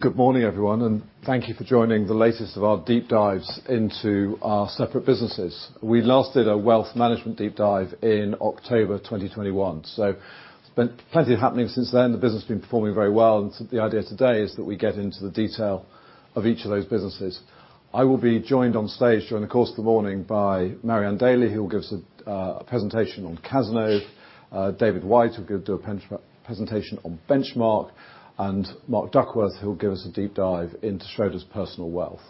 Good morning, everyone, thank you for joining the latest of our deep dives into our separate businesses. We last did a wealth management deep dive in October 2021, it's been plenty of happenings since then. The business has been performing very well, the idea today is that we get into the detail of each of those businesses. I will be joined on stage during the course of the morning by Mary-Anne Daly, who will give us a presentation on Cazenove, David White, who will do a presentation on Benchmark, Mark Duckworth, who will give us a deep dive into Schroders Personal Wealth.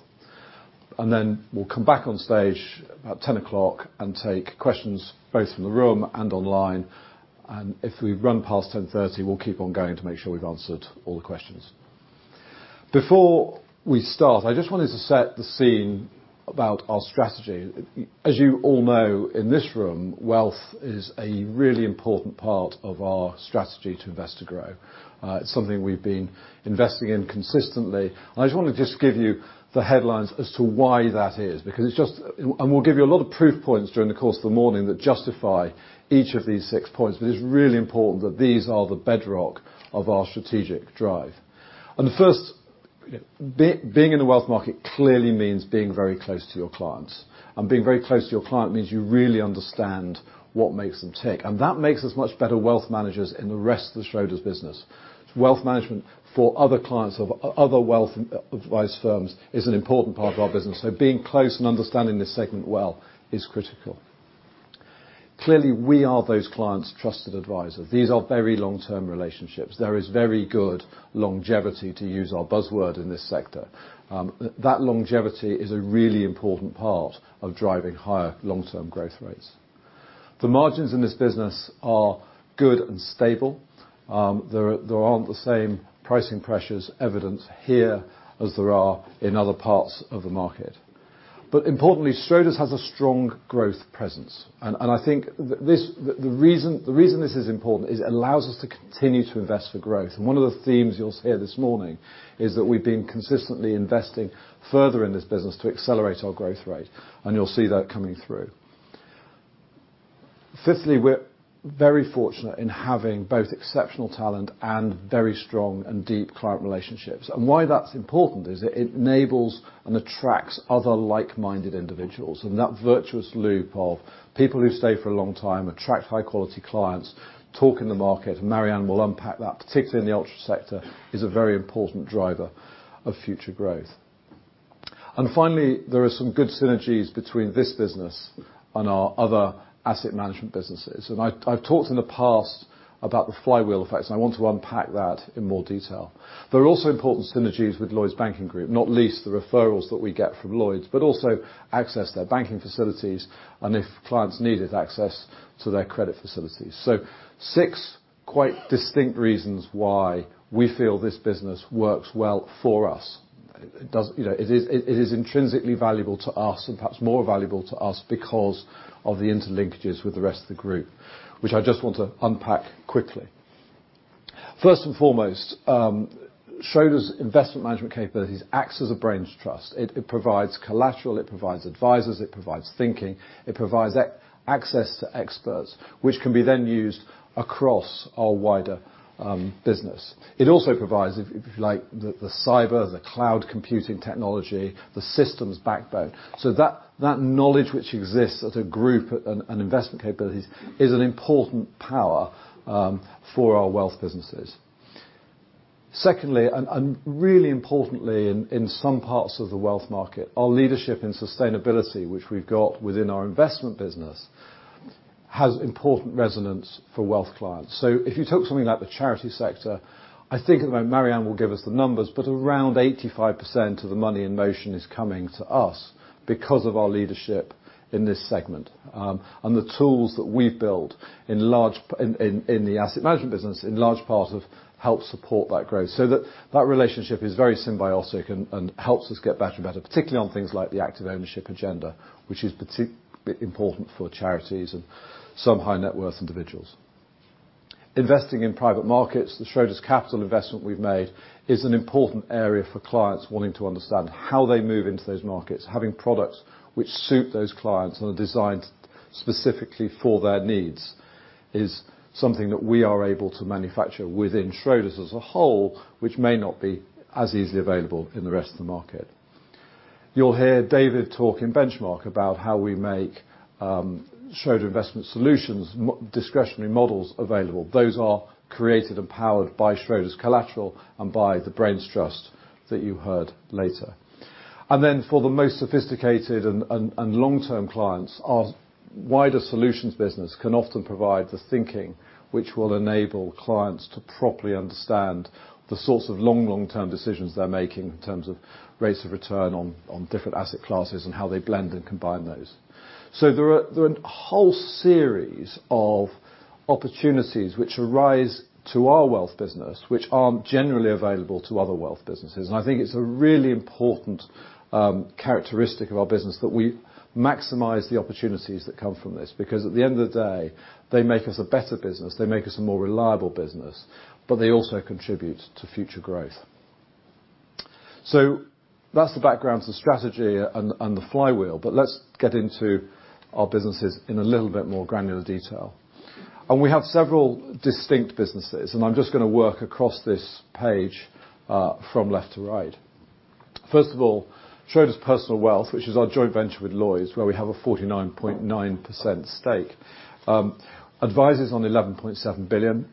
We'll come back on stage about 10:00 A.M. and take questions both from the room and online, and if we run past 10:30 A.M., we'll keep on going to make sure we've answered all the questions. Before we start, I just wanted to set the scene about our strategy. As you all know, in this room, wealth is a really important part of our strategy to Invest to Grow. It's something we've been investing in consistently. I just want to just give you the headlines as to why that is, because it's just, and we'll give you a lot of proof points during the course of the morning that justify each of these six points. But it's really important that these are the bedrock of our strategic drive. The first, being in the wealth market clearly means being very close to your clients, and being very close to your client means you really understand what makes them tick, and that makes us much better wealth managers in the rest of the Schroders business. Wealth management for other clients of other wealth advice firms is an important part of our business, so being close and understanding this segment well is critical. Clearly, we are those clients' trusted advisor. These are very long-term relationships. There is very good longevity, to use our buzzword in this sector. That longevity is a really important part of driving higher long-term growth rates. The margins in this business are good and stable. There aren't the same pricing pressures evident here as there are in other parts of the market. Importantly, Schroders has a strong growth presence, and I think this, the reason this is important is it allows us to continue to invest for growth. One of the themes you'll hear this morning is that we've been consistently investing further in this business to accelerate our growth rate, and you'll see that coming through. Fifthly, we're very fortunate in having both exceptional talent and very strong and deep client relationships. Why that's important is it enables and attracts other like-minded individuals, and that virtuous loop of people who stay for a long time, attract high-quality clients, talk in the market, and Mary-Anne will unpack that, particularly in the ultra sector, is a very important driver of future growth. Finally, there are some good synergies between this business and our other asset management businesses. I've talked in the past about the flywheel effect, and I want to unpack that in more detail. There are also important synergies with Lloyds Banking Group, not least the referrals that we get from Lloyds, but also access to their banking facilities and if clients needed access to their credit facilities. Six quite distinct reasons why we feel this business works well for us. You know, it is intrinsically valuable to us and perhaps more valuable to us because of the interlinkages with the rest of the group, which I just want to unpack quickly. First and foremost, Schroders' investment management capabilities acts as a brains trust. It provides collateral, it provides advisors, it provides thinking, it provides access to experts, which can be then used across our wider business. It also provides, if you like, the cyber, the cloud computing technology, the systems backbone. That knowledge which exists as a group and investment capabilities is an important power for our wealth businesses. Secondly, and really importantly in some parts of the wealth market, our leadership in sustainability, which we've got within our investment business, has important resonance for wealth clients. If you took something like the charity sector, I think Maryanne will give us the numbers, but around 85% of the money in motion is coming to us because of our leadership in this segment. And the tools that we've built in large in the asset management business, in large part, have helped support that growth, so that relationship is very symbiotic and helps us get better and better, particularly on things like the active ownership agenda, which is particularly important for charities and some high-net-worth individuals. Investing in private markets, the Schroders Capital investment we've made, is an important area for clients wanting to understand how they move into those markets. Having products which suit those clients and are designed specifically for their needs is something that we are able to manufacture within Schroders as a whole, which may not be as easily available in the rest of the market. You'll hear David talk in Benchmark about how we make Schroders Investment Solutions discretionary models available. Those are created and powered by Schroders collateral and by the brains trust that you heard later. Then for the most sophisticated and long-term clients, our wider solutions business can often provide the thinking which will enable clients to properly understand the sorts of long-term decisions they're making in terms of rates of return on different asset classes and how they blend and combine those. There are a whole series of opportunities which arise to our wealth business, which aren't generally available to other wealth businesses. I think it's a really important characteristic of our business that we maximize the opportunities that come from this, because at the end of the day, they make us a better business, they make us a more reliable business, but they also contribute to future growth. That's the background to strategy and the flywheel, but let's get into our businesses in a little bit more granular detail. We have several distinct businesses, and I'm just gonna work across this page, from left to right. First of all, Schroders Personal Wealth, which is our joint venture with Lloyds, where we have a 49.9% stake. Advises on 11.7 billion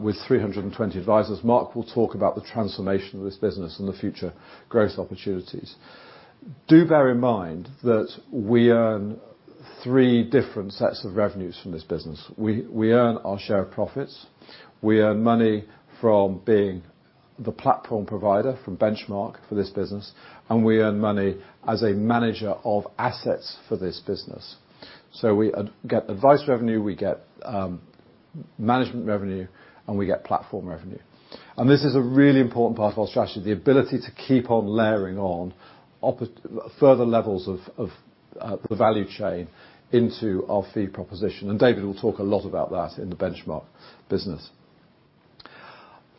with 320 advisers. Mark will talk about the transformation of this business and the future growth opportunities. Do bear in mind that we earn three different sets of revenues from this business. We earn our share of profits, we earn money from being the platform provider from Benchmark for this business, and we earn money as a manager of assets for this business. We get advice revenue, we get management revenue, and we get platform revenue. This is a really important part of our strategy, the ability to keep on layering on further levels of the value chain into our fee proposition, David will talk a lot about that in the Benchmark Capital business.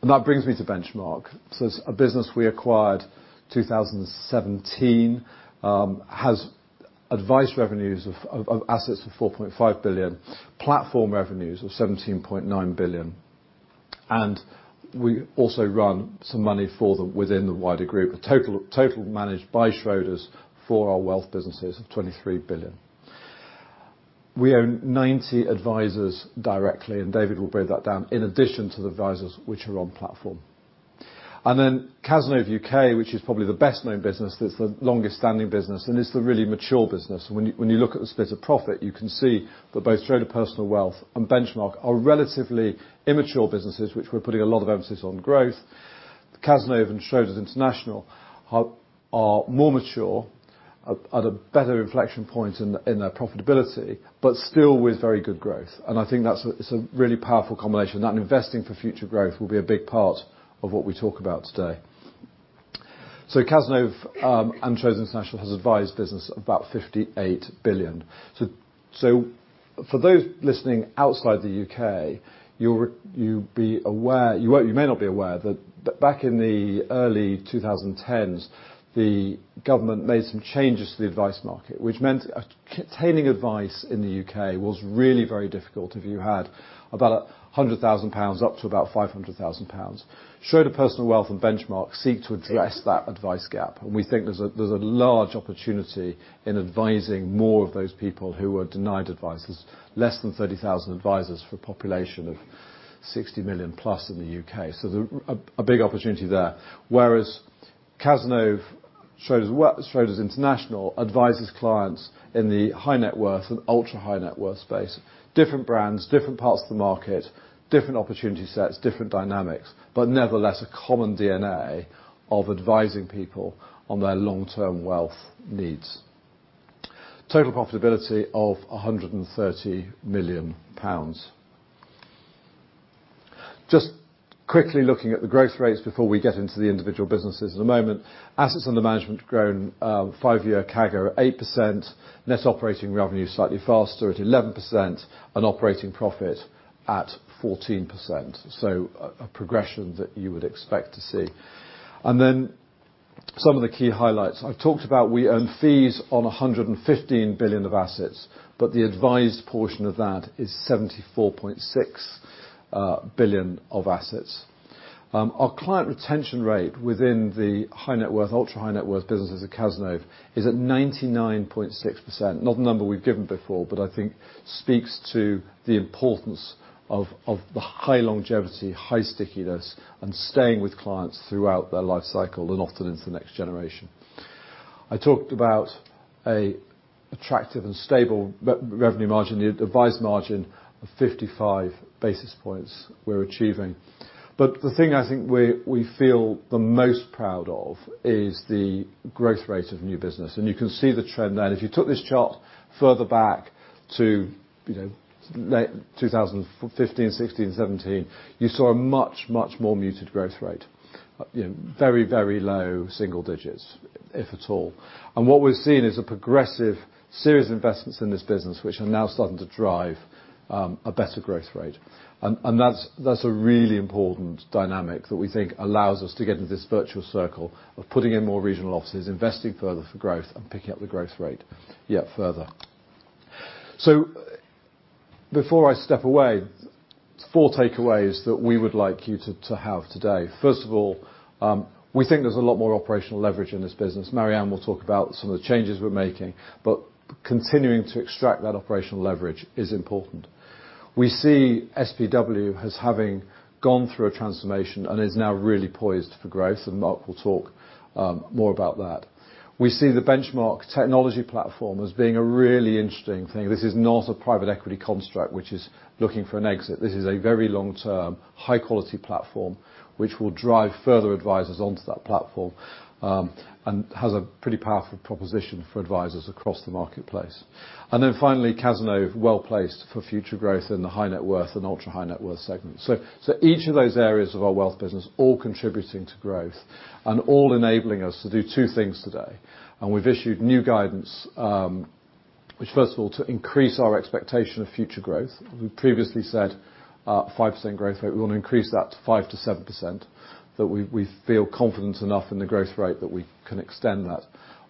That brings me to Benchmark Capital. It's a business we acquired in 2017, has advice revenues of assets of 4.5 billion, platform revenues of 17.9 billion, and we also run some money for them within the wider group, a total managed by Schroders for our wealth business is of 23 billion. We own 90 advisers directly, David will break that down, in addition to the advisers which are on platform. Cazenove UK, which is probably the best-known business, it's the longest-standing business, it's the really mature business. When you look at the split of profit, you can see that both Schroders Personal Wealth and Benchmark are relatively immature businesses, which we're putting a lot of emphasis on growth. Cazenove and Schroders International are more mature, at a better inflection point in their profitability, but still with very good growth. I think it's a really powerful combination. That and investing for future growth will be a big part of what we talk about today. Cazenove, and Schroders International has advised business of about 58 billion. For those listening outside the U.K., you may not be aware that back in the early 2010s, the government made some changes to the advice market, which meant obtaining advice in the U.K. was really very difficult if you had about 100,000 pounds up to about 500,000 pounds. Schroders Personal Wealth and Benchmark seek to address that advice gap, we think there's a large opportunity in advising more of those people who were denied advice. There's less than 30,000 advisers for a population of 60 million plus in the U.K. There's a big opportunity there. Whereas Cazenove, Schroders International advises clients in the high-net-worth and ultra-high-net-worth space. Nevertheless, a common DNA of advising people on their long-term wealth needs. Total profitability of GBP 130 million. Just quickly looking at the growth rates before we get into the individual businesses in a moment. Assets under management have grown, five-year CAGR at 8%, net operating revenue slightly faster at 11%, and operating profit at 14%. A progression that you would expect to see. Some of the key highlights. I've talked about we earn fees on 115 billion of assets, the advised portion of that is 74.6 billion of assets. Our client retention rate within the high net worth, ultra high net worth businesses at Cazenove is at 99.6%. Not a number we've given before, but I think speaks to the importance of the high longevity, high stickiness, and staying with clients throughout their life cycle and often into the next generation. I talked about a attractive and stable revenue margin, the advised margin of 55 basis points we're achieving. The thing I think we feel the most proud of is the growth rate of new business, and you can see the trend there. If you took this chart further back to, you know, late 2015, 2016, and 2017, you saw a much more muted growth rate. You know, very low single digits, if at all. What we're seeing is a progressive, serious investments in this business, which are now starting to drive a better growth rate. That's a really important dynamic that we think allows us to get into this virtual circle of putting in more regional offices, investing further for growth, and picking up the growth rate yet further. Before I step away, four takeaways that we would like you to have today. First of all, we think there's a lot more operational leverage in this business. Maryanne will talk about some of the changes we're making, but continuing to extract that operational leverage is important. We see SPW as having gone through a transformation and is now really poised for growth, and Mark will talk more about that. We see the Benchmark technology platform as being a really interesting thing. This is not a private equity construct, which is looking for an exit. This is a very long-term, high-quality platform, which will drive further advisers onto that platform and has a pretty powerful proposition for advisers across the marketplace. Finally, Cazenove, well-placed for future growth in the high-net-worth and ultra-high-net-worth segment. So each of those areas of our wealth business all contributing to growth and all enabling us to do two things today. We've issued new guidance, which first of all, to increase our expectation of future growth. We previously said 5% growth rate, we want to increase that to 5%-7%, that we feel confident enough in the growth rate that we can extend that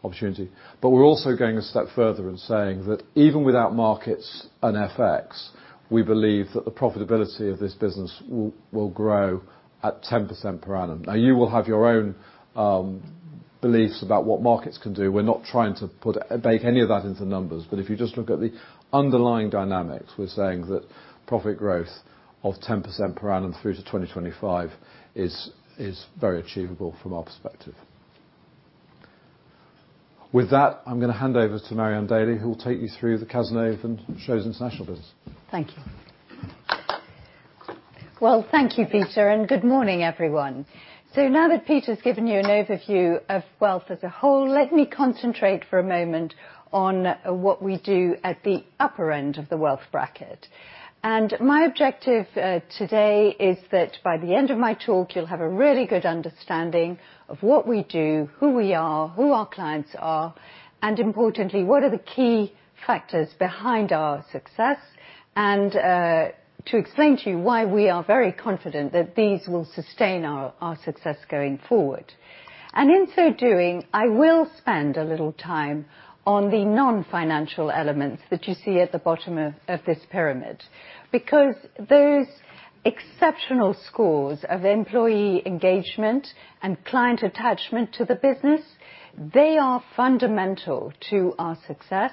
opportunity. We're also going a step further in saying that even without markets and FX, we believe that the profitability of this business will grow at 10% per annum. Now, you will have your own beliefs about what markets can do. We're not trying to bake any of that into numbers, but if you just look at the underlying dynamics, we're saying that profit growth of 10% per annum through to 2025 is very achievable from our perspective. With that, I'm gonna hand over to Mary-Anne Daly, who will take you through the Cazenove and Schroders International business. Thank you. Well, thank you, Peter, and good morning, everyone. Now that Peter's given you an overview of wealth as a whole, let me concentrate for a moment on what we do at the upper end of the wealth bracket. My objective today is that by the end of my talk, you'll have a really good understanding of what we do, who we are, who our clients are, and importantly, what are the key factors behind our success, and to explain to you why we are very confident that these will sustain our success going forward. In so doing, I will spend a little time on the non-financial elements that you see at the bottom of this pyramid, because those exceptional scores of employee engagement and client attachment to the business, they are fundamental to our success.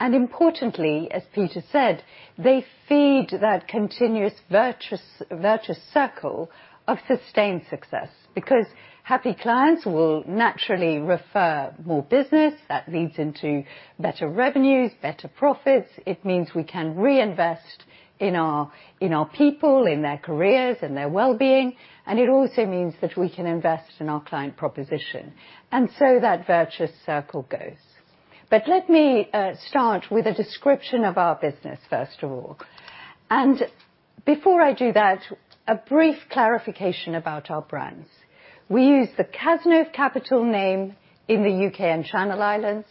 Importantly, as Peter said, they feed that continuous virtuous circle of sustained success, because happy clients will naturally refer more business. That leads into better revenues, better profits. It means we can reinvest in our people, in their careers, and their well-being, and it also means that we can invest in our client proposition. That virtuous circle goes. Let me start with a description of our business, first of all. Before I do that, a brief clarification about our brands. We use the Cazenove Capital name in the UK and Channel Islands,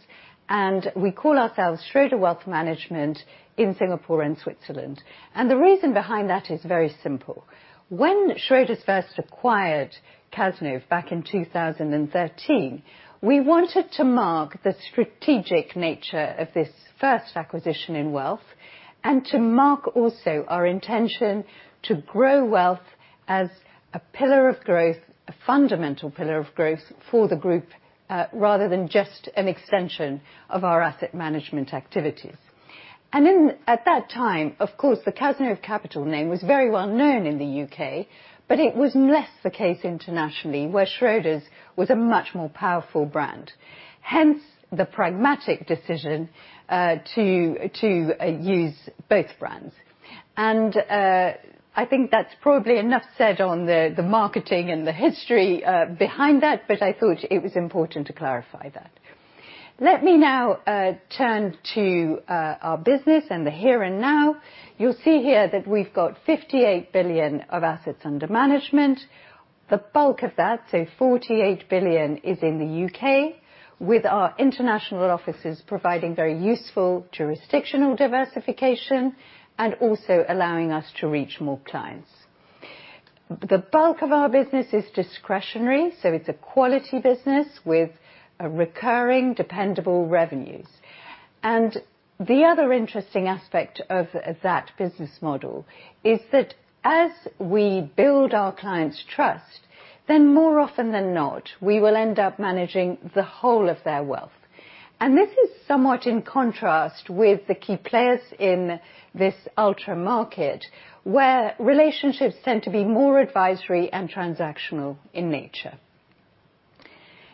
and we call ourselves Schroders Wealth Management in Singapore and Switzerland. The reason behind that is very simple. When Schroders first acquired Cazenove back in 2013, we wanted to mark the strategic nature of this first acquisition in wealth, and to mark also our intention to grow wealth as a pillar of growth, a fundamental pillar of growth for the group, rather than just an extension of our asset management activities. At that time, of course, the Cazenove Capital name was very well known in the U.K., but it was less the case internationally, where Schroders' was a much more powerful brand. The pragmatic decision to use both brands. I think that's probably enough said on the marketing and the history behind that, but I thought it was important to clarify that. Let me now turn to our business and the here and now. You'll see here that we've got 58 billion of assets under management. The bulk of that, so 48 billion, is in the U.K., with our international offices providing very useful jurisdictional diversification and also allowing us to reach more clients. The bulk of our business is discretionary, so it's a quality business with a recurring, dependable revenues. The other interesting aspect of that business model is that as we build our clients' trust, then more often than not, we will end up managing the whole of their wealth. This is somewhat in contrast with the key players in this ultra market, where relationships tend to be more advisory and transactional in nature.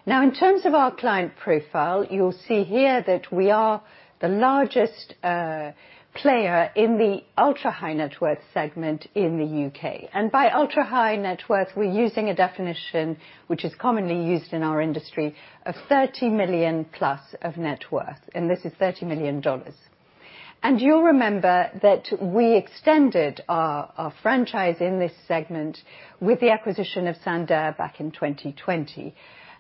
Now, in terms of our client profile, you'll see here that we are the largest player in the ultra-high-net-worth segment in the U.K. By ultra high net worth, we're using a definition which is commonly used in our industry, of $30 million plus of net worth, and this is $30 million. You'll remember that we extended our franchise in this segment with the acquisition of Sandaire back in 2020.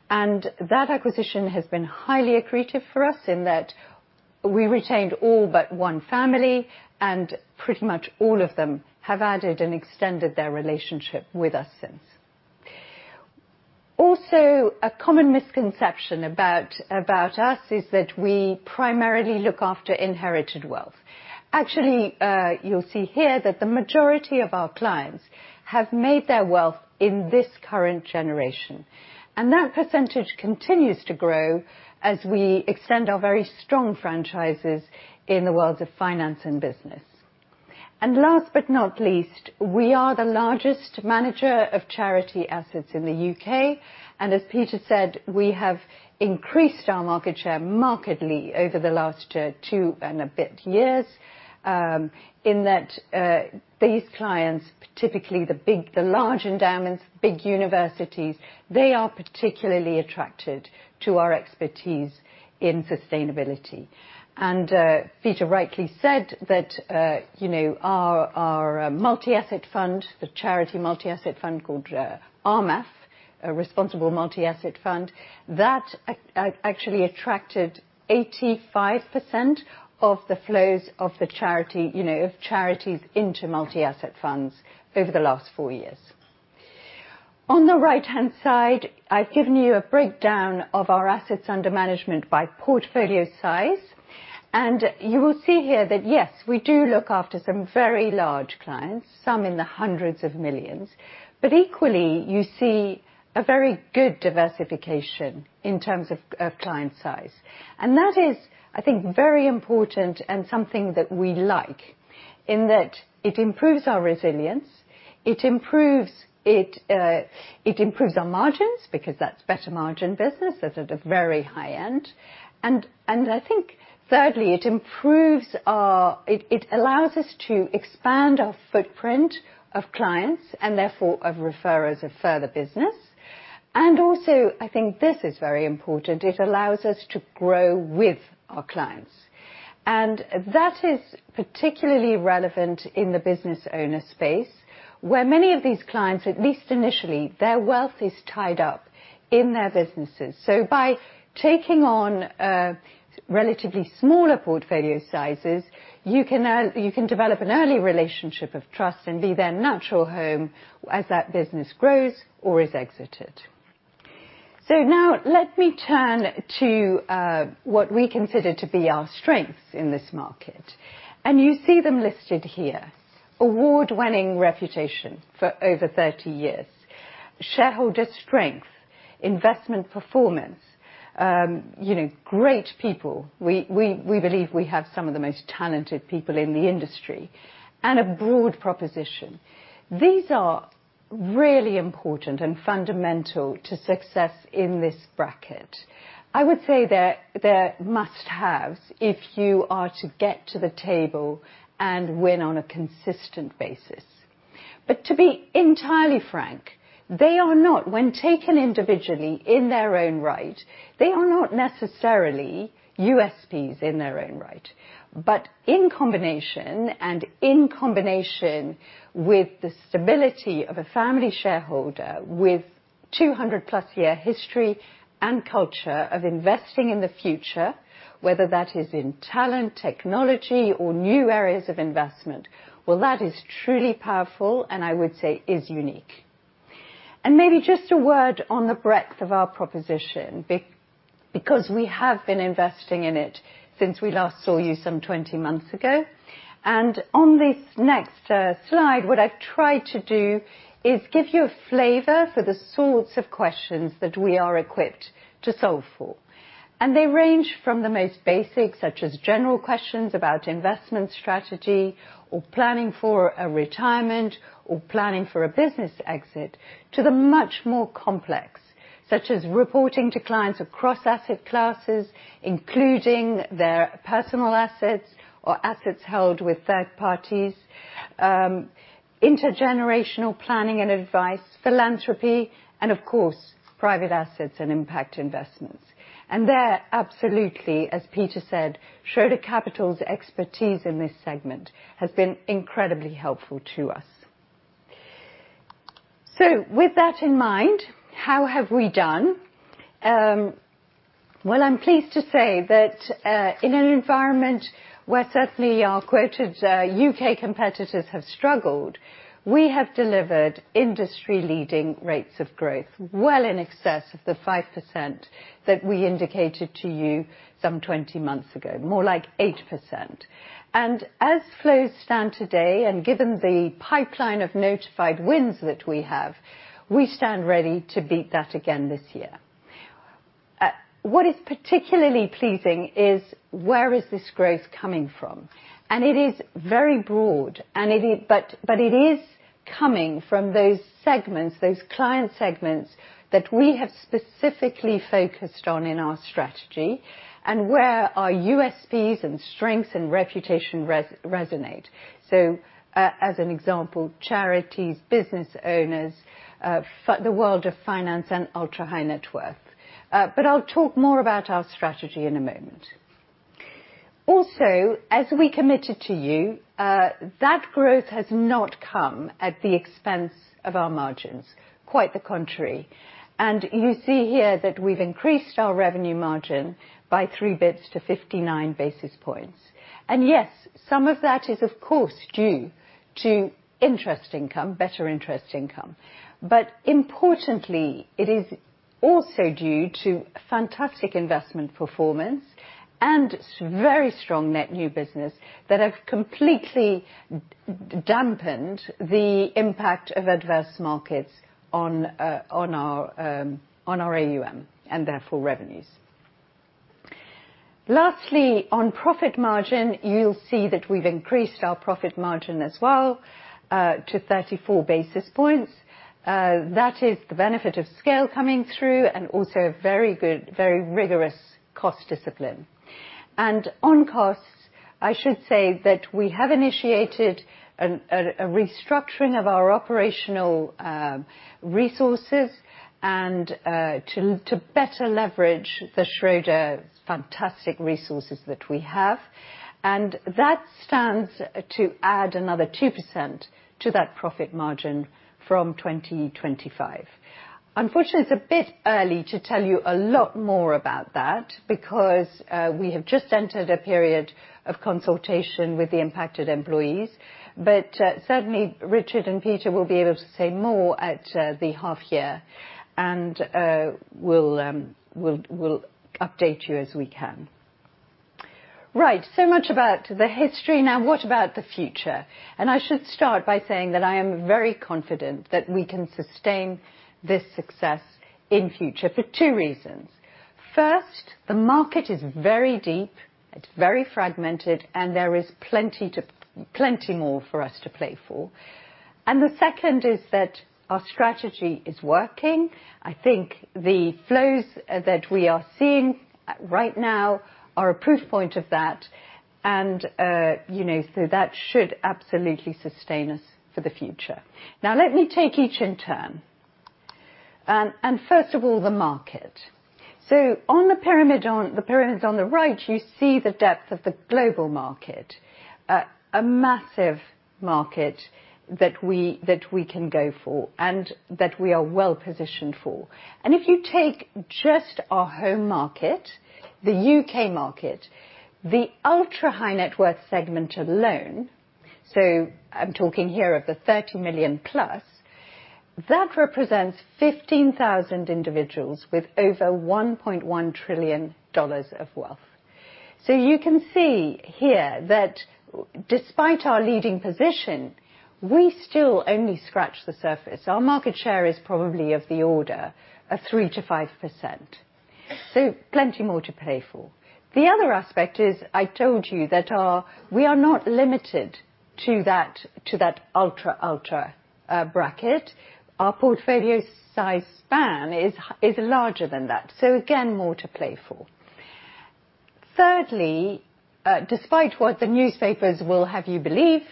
That acquisition has been highly accretive for us in that we retained all but 1 family, and pretty much all of them have added and extended their relationship with us since. Also, a common misconception about us is that we primarily look after inherited wealth. Actually, you'll see here that the majority of our clients have made their wealth in this current generation, and that percentage continues to grow as we extend our very strong franchises in the worlds of finance and business. Last but not least, we are the largest manager of charity assets in the UK, and as Peter said, we have increased our market share markedly over the last two and a bit years. In that, these clients, typically the large endowments, big universities, they are particularly attracted to our expertise in sustainability. Peter rightly said that, you know, our multi-asset fund, the charity multi-asset fund called a responsible multi-asset fund. That actually attracted 85% of the flows of the charity, you know, of charities into multi-asset funds over the last four years. On the right-hand side, I've given you a breakdown of our assets under management by portfolio size, and you will see here that, yes, we do look after some very large clients, some in the hundreds of millions. Equally, you see a very good diversification in terms of client size. That is, I think, very important and something that we like, in that it improves our resilience, it improves our margins, because that's better margin business. That's at a very high end. I think thirdly, it allows us to expand our footprint of clients and therefore of referrers of further business. Also, I think this is very important, it allows us to grow with our clients. That is particularly relevant in the business owner space, where many of these clients, at least initially, their wealth is tied up in their businesses. By taking on relatively smaller portfolio sizes, you can develop an early relationship of trust and be their natural home as that business grows or is exited. Now let me turn to what we consider to be our strengths in this market, and you see them listed here. Award-winning reputation for over 30 years, shareholder strength, investment performance, you know, great people. We believe we have some of the most talented people in the industry, and a broad proposition. These are really important and fundamental to success in this bracket. I would say they're must-haves if you are to get to the table and win on a consistent basis. To be entirely frank, they are not. When taken individually in their own right, they are not necessarily USPs in their own right. In combination, and in combination with the stability of a family shareholder with 200-plus year history and culture of investing in the future, whether that is in talent, technology, or new areas of investment, well, that is truly powerful, and I would say is unique. Maybe just a word on the breadth of our proposition because we have been investing in it since we last saw you some 20 months ago. On this next slide, what I've tried to do is give you a flavor for the sorts of questions that we are equipped to solve for. They range from the most basic, such as general questions about investment strategy, or planning for a retirement, or planning for a business exit, to the much more complex, such as reporting to clients across asset classes, including their personal assets or assets held with third parties, intergenerational planning and advice, philanthropy, and of course, private assets and impact investments. There, absolutely, as Peter said, Schroders Capital's expertise in this segment has been incredibly helpful to us. With that in mind, how have we done? Well, I'm pleased to say that, in an environment where certainly our quoted, UK competitors have struggled, we have delivered industry-leading rates of growth, well in excess of the 5% that we indicated to you some 20 months ago, more like 8%. As flows stand today, and given the pipeline of notified wins that we have, we stand ready to beat that again this year. What is particularly pleasing is, where is this growth coming from? It is very broad, and it is coming from those segments, those client segments, that we have specifically focused on in our strategy and where our USPs and strengths and reputation resonate. As an example, charities, business owners, the world of finance, and ultra-high-net-worth. I'll talk more about our strategy in a moment. As we committed to you, that growth has not come at the expense of our margins. Quite the contrary. You see here that we've increased our revenue margin by 3 basis points to 59 basis points. Yes, some of that is, of course, due to interest income, better interest income. Importantly, it is also due to fantastic investment performance and very strong net new business that have completely dampened the impact of adverse markets on our AUM and therefore, revenues. Lastly, on profit margin, you'll see that we've increased our profit margin as well, to 34 basis points. That is the benefit of scale coming through and also very good, very rigorous cost discipline. On costs, I should say that we have initiated a restructuring of our operational resources and to better leverage the Schroders fantastic resources that we have. That stands to add another 2% to that profit margin from 2025. Unfortunately, it's a bit early to tell you a lot more about that, because we have just entered a period of consultation with the impacted employees. Certainly, Richard and Peter will be able to say more at the half year, and we'll update you as we can. So much about the history, now, what about the future? I should start by saying that I am very confident that we can sustain this success in future for two reasons. First, the market is very deep, it's very fragmented, and there is plenty more for us to play for. The second is that our strategy is working. I think the flows that we are seeing right now are a proof point of that, you know, so that should absolutely sustain us for the future. Let me take each in turn. First of all, the market. On the pyramids on the right, you see the depth of the global market, a massive market that we can go for, and that we are well positioned for. If you take just our home market, the UK market, the ultra high net worth segment alone, I'm talking here of the $30 million plus, that represents 15,000 individuals with over $1.1 trillion of wealth. You can see here that despite our leading position, we still only scratch the surface. Our market share is probably of the order of 3%-5%, plenty more to play for. The other aspect is, I told you, that we are not limited to that ultra bracket. Our portfolio size span is larger than that. Again, more to play for. Thirdly, despite what the newspapers will have you believe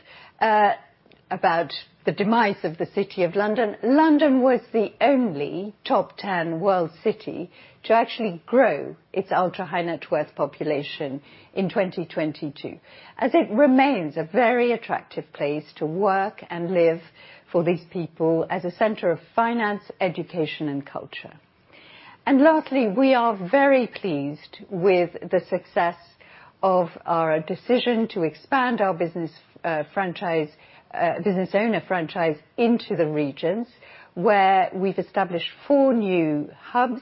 about the demise of the City of London was the only top 10 world city to actually grow its ultra high net worth population in 2022, as it remains a very attractive place to work and live for these people as a center of finance, education, and culture. Lastly, we are very pleased with the success of our decision to expand our business franchise, business owner franchise into the regions, where we've established four new hubs,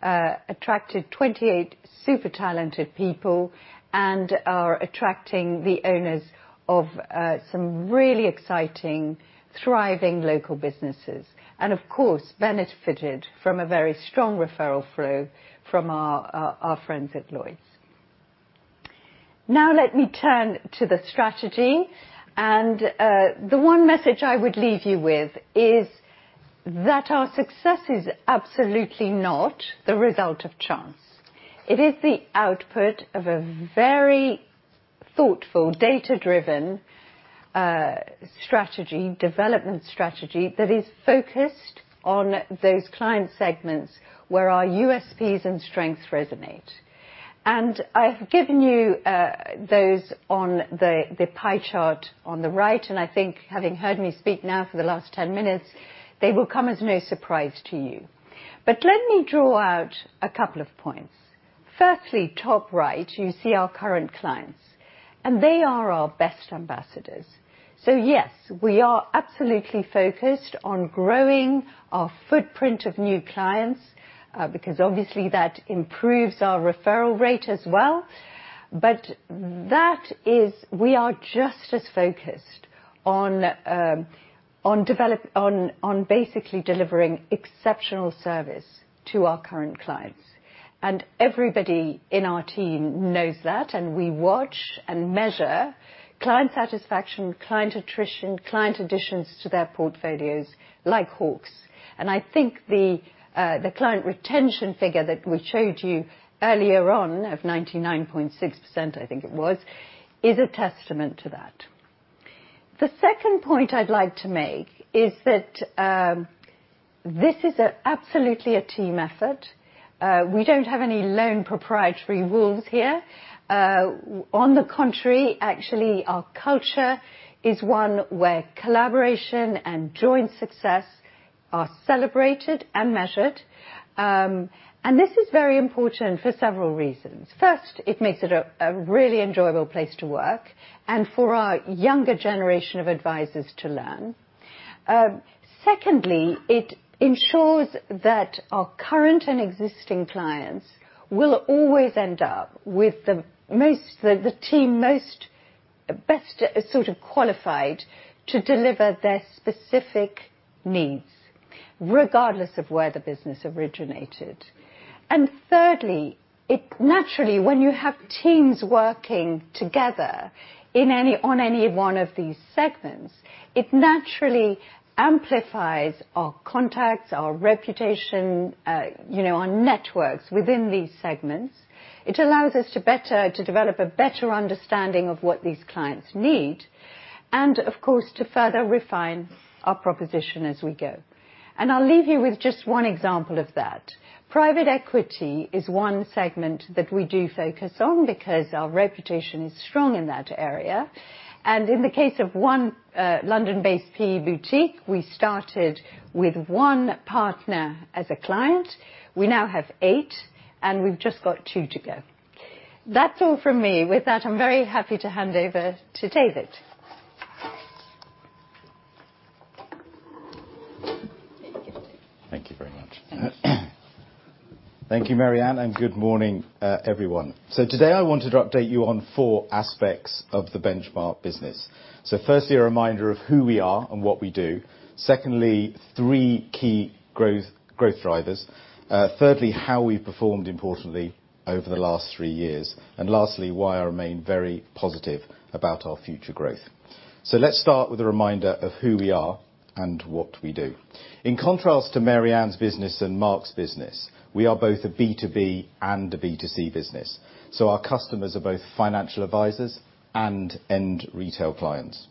attracted 28 super talented people, and are attracting the owners of some really exciting, thriving local businesses, and of course, benefited from a very strong referral flow from our friends at Lloyds. Now let me turn to the strategy, and the one message I would leave you with is that our success is absolutely not the result of chance. It is the output of a very thoughtful, data-driven strategy, development strategy, that is focused on those client segments where our USPs and strengths resonate. I've given you those on the pie chart on the right, and I think having heard me speak now for the last 10 minutes, they will come as no surprise to you. Let me draw out a couple of points. Firstly, top right, you see our current clients, and they are our best ambassadors. Yes, we are absolutely focused on growing our footprint of new clients, because obviously, that improves our referral rate as well. We are just as focused on basically delivering exceptional service to our current clients. Everybody in our team knows that, and we watch and measure client satisfaction, client attrition, client additions to their portfolios, like hawks. I think the client retention figure that we showed you earlier on, of 99.6%, I think it was, is a testament to that. The second point I'd like to make is that this is absolutely a team effort. We don't have any lone proprietary wolves here. On the contrary, actually, our culture is one where collaboration and joint success are celebrated and measured. This is very important for several reasons. First, it makes it a really enjoyable place to work and for our younger generation of advisors to learn. Secondly, it ensures that our current and existing clients will always end up with the team most, best, sort of qualified to deliver their specific needs, regardless of where the business originated. Thirdly, it naturally, when you have teams working together in any, on any one of these segments, it naturally amplifies our contacts, our reputation, you know, our networks within these segments. It allows us to develop a better understanding of what these clients need, and of course, to further refine our proposition as we go. I'll leave you with just one example of that. Private equity is one segment that we do focus on because our reputation is strong in that area. In the case of one, London-based PE boutique, we started with one partner as a client. We now have eight, and we've just got two to go. That's all from me. With that, I'm very happy to hand over to David. Thank you very much. Thank you, Maryanne. Good morning, everyone. Today I wanted to update you on 4 aspects of the Benchmark business. Firstly, a reminder of who we are and what we do. Secondly, 3 key growth drivers. Thirdly, how we've performed importantly over the last 3 years. Lastly, why I remain very positive about our future growth. Let's start with a reminder of who we are and what we do. In contrast to Maryanne's business and Mark's business, we are both a B2B and a B2C business. Our customers are both financial advisors and end retail clients.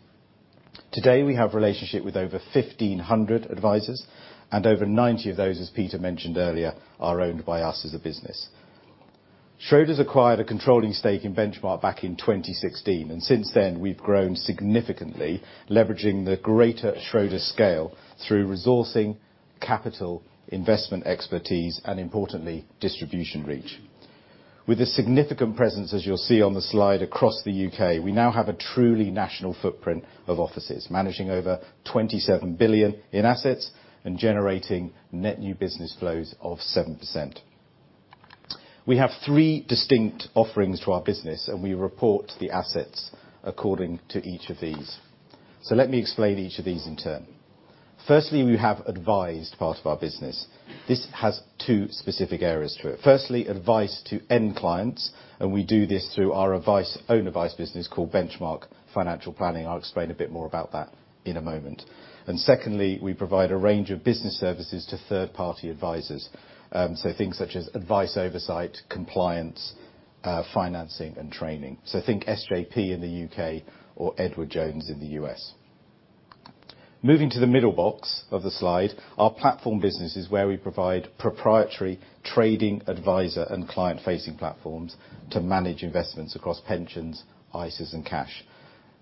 Today, we have relationship with over 1,500 advisors. Over 90 of those, as Peter mentioned earlier, are owned by us as a business. Schroders acquired a controlling stake in Benchmark in 2016. Since then, we've grown significantly, leveraging the greater Schroders scale through resourcing, capital, investment expertise, and importantly, distribution reach. With a significant presence, as you'll see on the slide, across the UK, we now have a truly national footprint of offices, managing over 27 billion in assets and generating net new business flows of 7%. We have three distinct offerings to our business. We report the assets according to each of these. Let me explain each of these in turn. Firstly, we have advised part of our business. This has two specific areas to it. Firstly, advice to end clients. We do this through our advice, own advice business called Benchmark Financial Planning. I'll explain a bit more about that in a moment. Secondly, we provide a range of business services to third-party advisors. Things such as advice, oversight, compliance, financing, and training. Think SJP in the U.K. or Edward Jones in the U.S. Moving to the middle box of the slide, our platform business is where we provide proprietary trading, advisor, and client-facing platforms to manage investments across pensions, ISAs, and cash.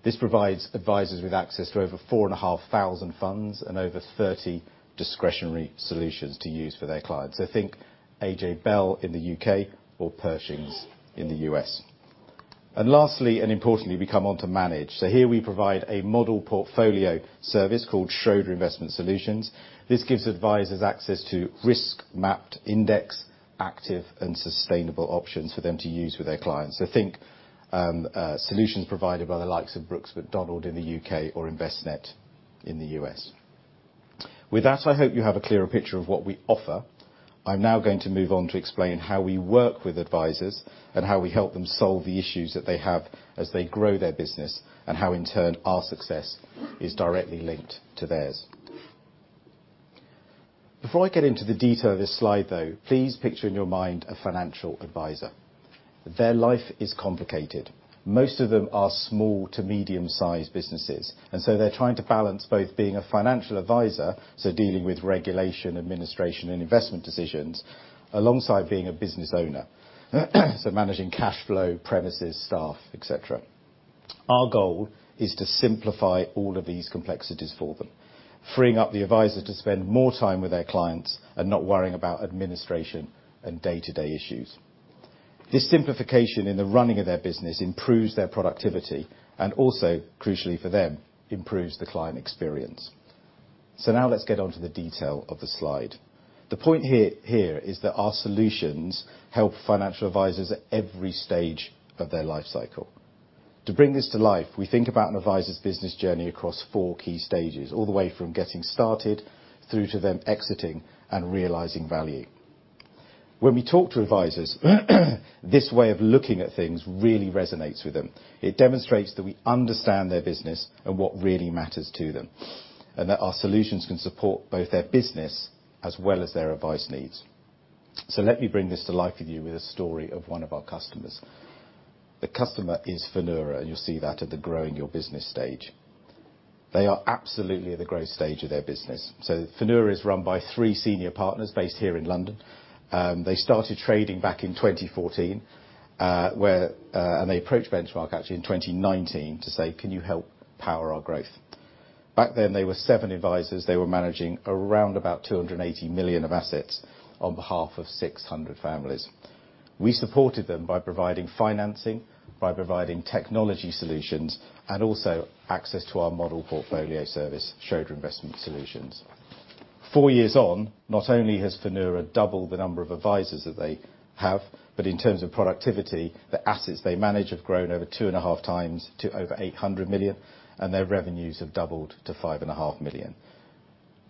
This provides advisors with access to over 4,500 funds and over 30 discretionary solutions to use for their clients. Think AJ Bell in the U.K. or Pershing in the U.S. Lastly, and importantly, we come on to manage. Here we provide a Model Portfolio Service called Schroder Investment Solutions. This gives advisors access to risk-mapped, index, active, and sustainable options for them to use with their clients. Think solutions provided by the likes of Brooks Macdonald in the UK or Envestnet in the US. With that, I hope you have a clearer picture of what we offer. I'm now going to move on to explain how we work with advisors and how we help them solve the issues that they have as they grow their business, and how, in turn, our success is directly linked to theirs. Before I get into the detail of this slide, though, please picture in your mind a financial advisor. Their life is complicated. Most of them are small to medium-sized businesses, and they're trying to balance both being a financial advisor, so dealing with regulation, administration, and investment decisions, alongside being a business owner, so managing cash flow, premises, staff, et cetera. Our goal is to simplify all of these complexities for them, freeing up the advisor to spend more time with their clients and not worrying about administration and day-to-day issues. This simplification in the running of their business improves their productivity and also, crucially for them, improves the client experience. Now let's get on to the detail of the slide. The point here is that our solutions help financial advisors at every stage of their life cycle. To bring this to life, we think about an advisor's business journey across four key stages, all the way from getting started through to them exiting and realizing value. When we talk to advisors, this way of looking at things really resonates with them. It demonstrates that we understand their business and what really matters to them, and that our solutions can support both their business as well as their advice needs. Let me bring this to life with you with a story of one of our customers. The customer is Finura, and you'll see that at the Growing Your Business stage. They are absolutely at the growth stage of their business. Finura is run by three senior partners based here in London. They started trading back in 2014, where they approached Benchmark, actually, in 2019 to say: Can you help power our growth? Back then, they were seven advisors. They were managing around about 280 million of assets on behalf of 600 families. We supported them by providing financing, by providing technology solutions, and also access to our Model Portfolio Service, Schroder Investment Solutions. 4 years on, not only has Finura doubled the number of advisors that they have, but in terms of productivity, the assets they manage have grown over 2.5 times to over 800 million, and their revenues have doubled to five and a half million.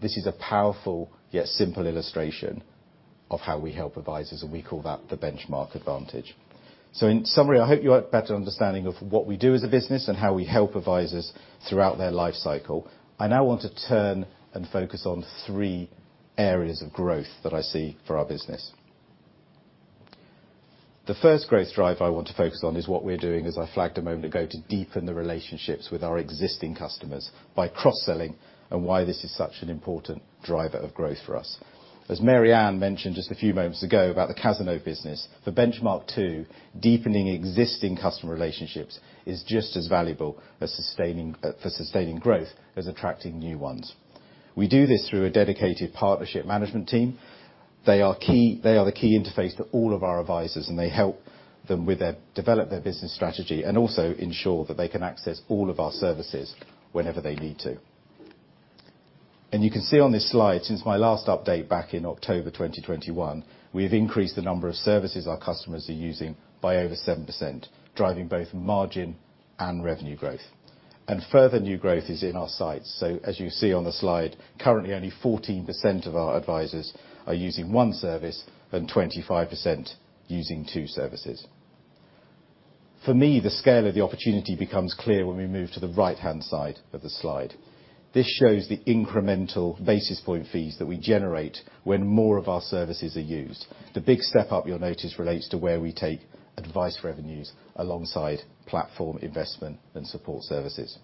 This is a powerful, yet simple illustration of how we help advisors, and we call that the Benchmark advantage. In summary, I hope you have a better understanding of what we do as a business and how we help advisors throughout their life cycle. I now want to turn and focus on 3 areas of growth that I see for our business. The first growth drive I want to focus on is what we're doing, as I flagged a moment ago, to deepen the relationships with our existing customers by cross-selling and why this is such an important driver of growth for us. As Maryanne mentioned just a few moments ago about the Cazenove business, for Benchmark, too, deepening existing customer relationships is just as valuable as sustaining for sustaining growth as attracting new ones. We do this through a dedicated partnership management team. They are the key interface to all of our advisors, and they help them develop their business strategy, and also ensure that they can access all of our services whenever they need to. You can see on this slide, since my last update back in October 2021, we have increased the number of services our customers are using by over 7%, driving both margin and revenue growth. Further new growth is in our sights. As you see on the slide, currently, only 14% of our advisors are using 1 service and 25% using 2 services. For me, the scale of the opportunity becomes clear when we move to the right-hand side of the slide. This shows the incremental basis point fees that we generate when more of our services are used. The big step up, you'll notice, relates to where we take advice revenues alongside platform investment and support services.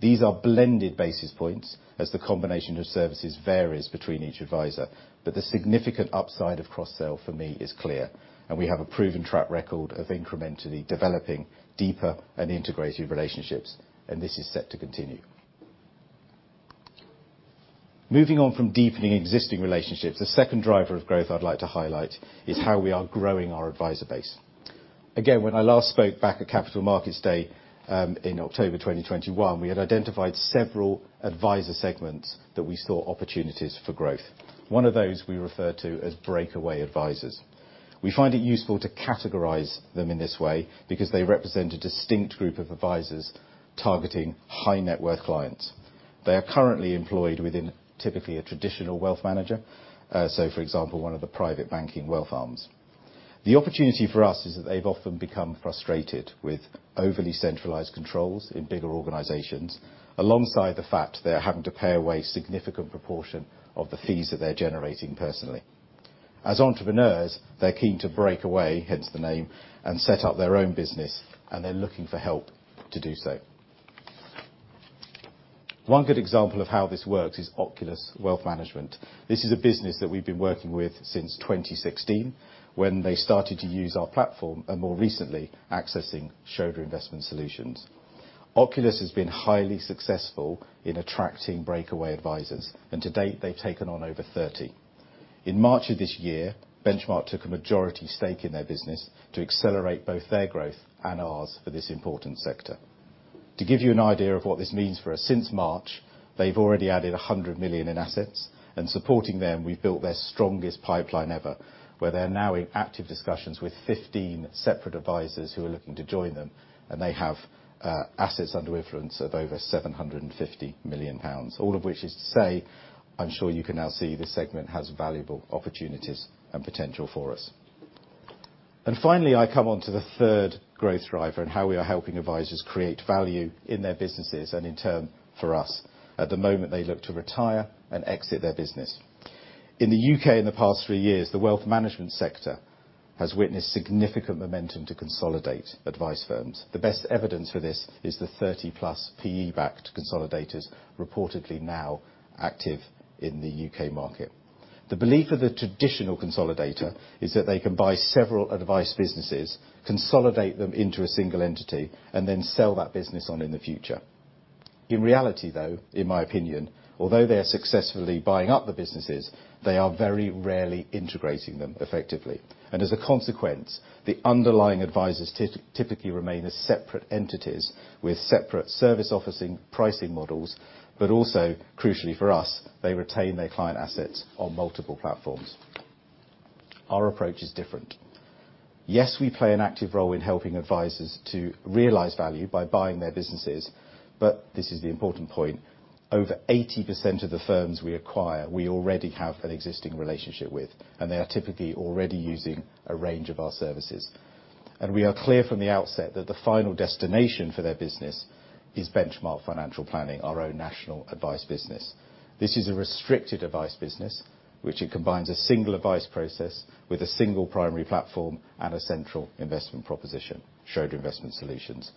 These are blended basis points, as the combination of services varies between each advisor. The significant upside of cross-sell for me is clear. We have a proven track record of incrementally developing deeper and integrated relationships. This is set to continue. Moving on from deepening existing relationships, the second driver of growth I'd like to highlight is how we are growing our advisor base. When I last spoke back at Capital Markets Day, in October 2021, we had identified several advisor segments that we saw opportunities for growth. One of those we refer to as breakaway advisors. We find it useful to categorize them in this way because they represent a distinct group of advisors targeting high-net-worth clients. They are currently employed within typically a traditional wealth manager, for example, one of the private banking wealth arms. The opportunity for us is that they've often become frustrated with overly centralized controls in bigger organizations, alongside the fact they're having to pay away a significant proportion of the fees that they're generating personally. As entrepreneurs, they're keen to break away, hence the name, and set up their own business, and they're looking for help to do so. One good example of how this works is Oculus Wealth Management. This is a business that we've been working with since 2016, when they started to use our platform, and more recently, accessing Schroder Investment Solutions. Oculus has been highly successful in attracting breakaway advisors, and to date, they've taken on over 30. In March of this year, Benchmark took a majority stake in their business to accelerate both their growth and ours for this important sector. To give you an idea of what this means for us, since March, they've already added 100 million in assets, and supporting them, we've built their strongest pipeline ever, where they're now in active discussions with 15 separate advisors who are looking to join them, and they have assets under influence of over 750 million pounds. All of which is to say, I'm sure you can now see this segment has valuable opportunities and potential for us. Finally, I come on to the third growth driver and how we are helping advisors create value in their businesses, and in turn, for us, at the moment they look to retire and exit their business. In the U.K. in the past 3 years, the wealth management sector has witnessed significant momentum to consolidate advice firms. The best evidence for this is the 30-plus PE-backed consolidators reportedly now active in the U.K. market. The belief of the traditional consolidator is that they can buy several advice businesses, consolidate them into a single entity, then sell that business on in the future. In reality, though, in my opinion, although they are successfully buying up the businesses, they are very rarely integrating them effectively. As a consequence, the underlying advisors typically remain as separate entities with separate service offering pricing models, also, crucially for us, they retain their client assets on multiple platforms. Our approach is different. Yes, we play an active role in helping advisors to realize value by buying their businesses, this is the important point, over 80% of the firms we acquire, we already have an existing relationship with, and they are typically already using a range of our services. We are clear from the outset that the final destination for their business is Benchmark Financial Planning, our own national advice business. This is a restricted advice business, which combines a single advice process with a single primary platform and a central investment proposition, Schroder Investment Solutions.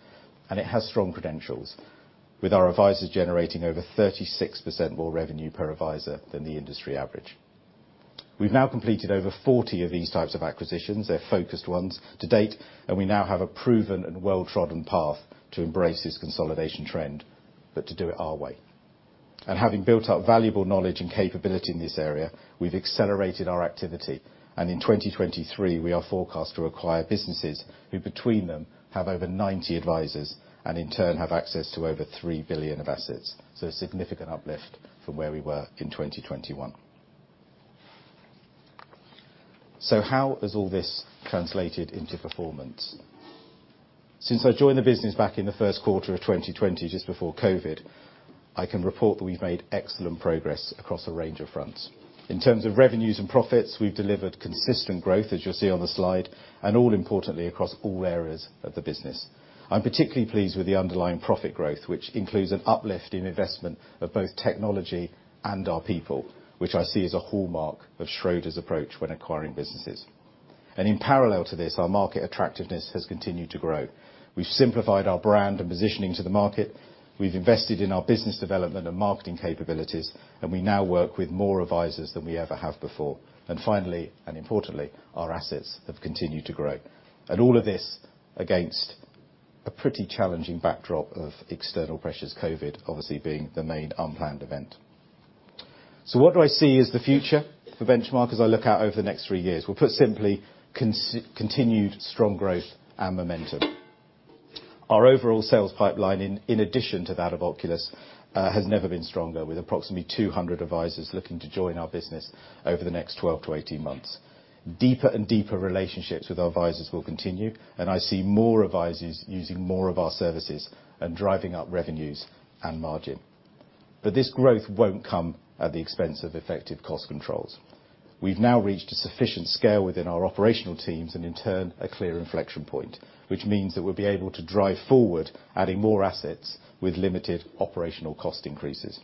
It has strong credentials, with our advisors generating over 36% more revenue per advisor than the industry average. We've now completed over 40 of these types of acquisitions, they're focused ones, to date, and we now have a proven and well-trodden path to embrace this consolidation trend, but to do it our way. Having built up valuable knowledge and capability in this area, we've accelerated our activity, and in 2023, we are forecast to acquire businesses who, between them, have over 90 advisors and in turn, have access to over 3 billion of assets. A significant uplift from where we were in 2021. How has all this translated into performance? Since I joined the business back in the first quarter of 2020, just before COVID, I can report that we've made excellent progress across a range of fronts. In terms of revenues and profits, we've delivered consistent growth, as you'll see on the slide, and all importantly, across all areas of the business. I'm particularly pleased with the underlying profit growth, which includes an uplift in investment of both technology and our people, which I see as a hallmark of Schroders' approach when acquiring businesses. In parallel to this, our market attractiveness has continued to grow. We've simplified our brand and positioning to the market, we've invested in our business development and marketing capabilities, and we now work with more advisors than we ever have before. Finally, and importantly, our assets have continued to grow. All of this against a pretty challenging backdrop of external pressures, COVID obviously being the main unplanned event. What do I see as the future for Benchmark as I look out over the next three years? Put simply, continued strong growth and momentum. Our overall sales pipeline, in addition to that of Oculus, has never been stronger, with approximately 200 advisers looking to join our business over the next 12 to 18 months. Deeper and deeper relationships with our advisers will continue, and I see more advisers using more of our services and driving up revenues and margin. This growth won't come at the expense of effective cost controls. We've now reached a sufficient scale within our operational teams, and in turn, a clear inflection point, which means that we'll be able to drive forward, adding more assets with limited operational cost increases.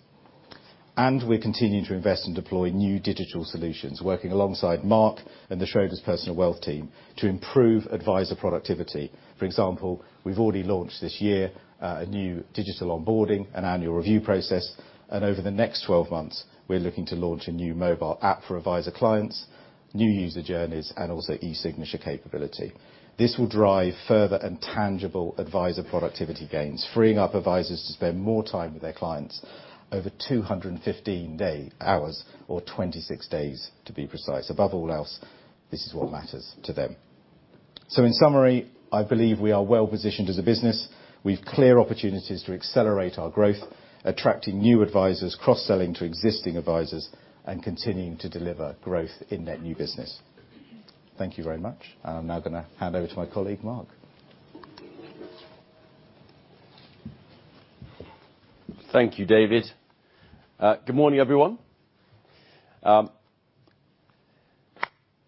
We're continuing to invest and deploy new digital solutions, working alongside Mark and the Schroders Personal Wealth team to improve adviser productivity. For example, we've already launched this year, a new digital onboarding and annual review process. Over the next 12 months, we're looking to launch a new mobile app for adviser clients, new user journeys, and also e-signature capability. This will drive further and tangible adviser productivity gains, freeing up advisers to spend more time with their clients, over 215 day-hours, or 26 days, to be precise. Above all else, this is what matters to them. In summary, I believe we are well positioned as a business. We've clear opportunities to accelerate our growth, attracting new advisers, cross-selling to existing advisers, and continuing to deliver growth in net new business. Thank you very much. I'm now going to hand over to my colleague, Mark. Thank you, David. Good morning, everyone.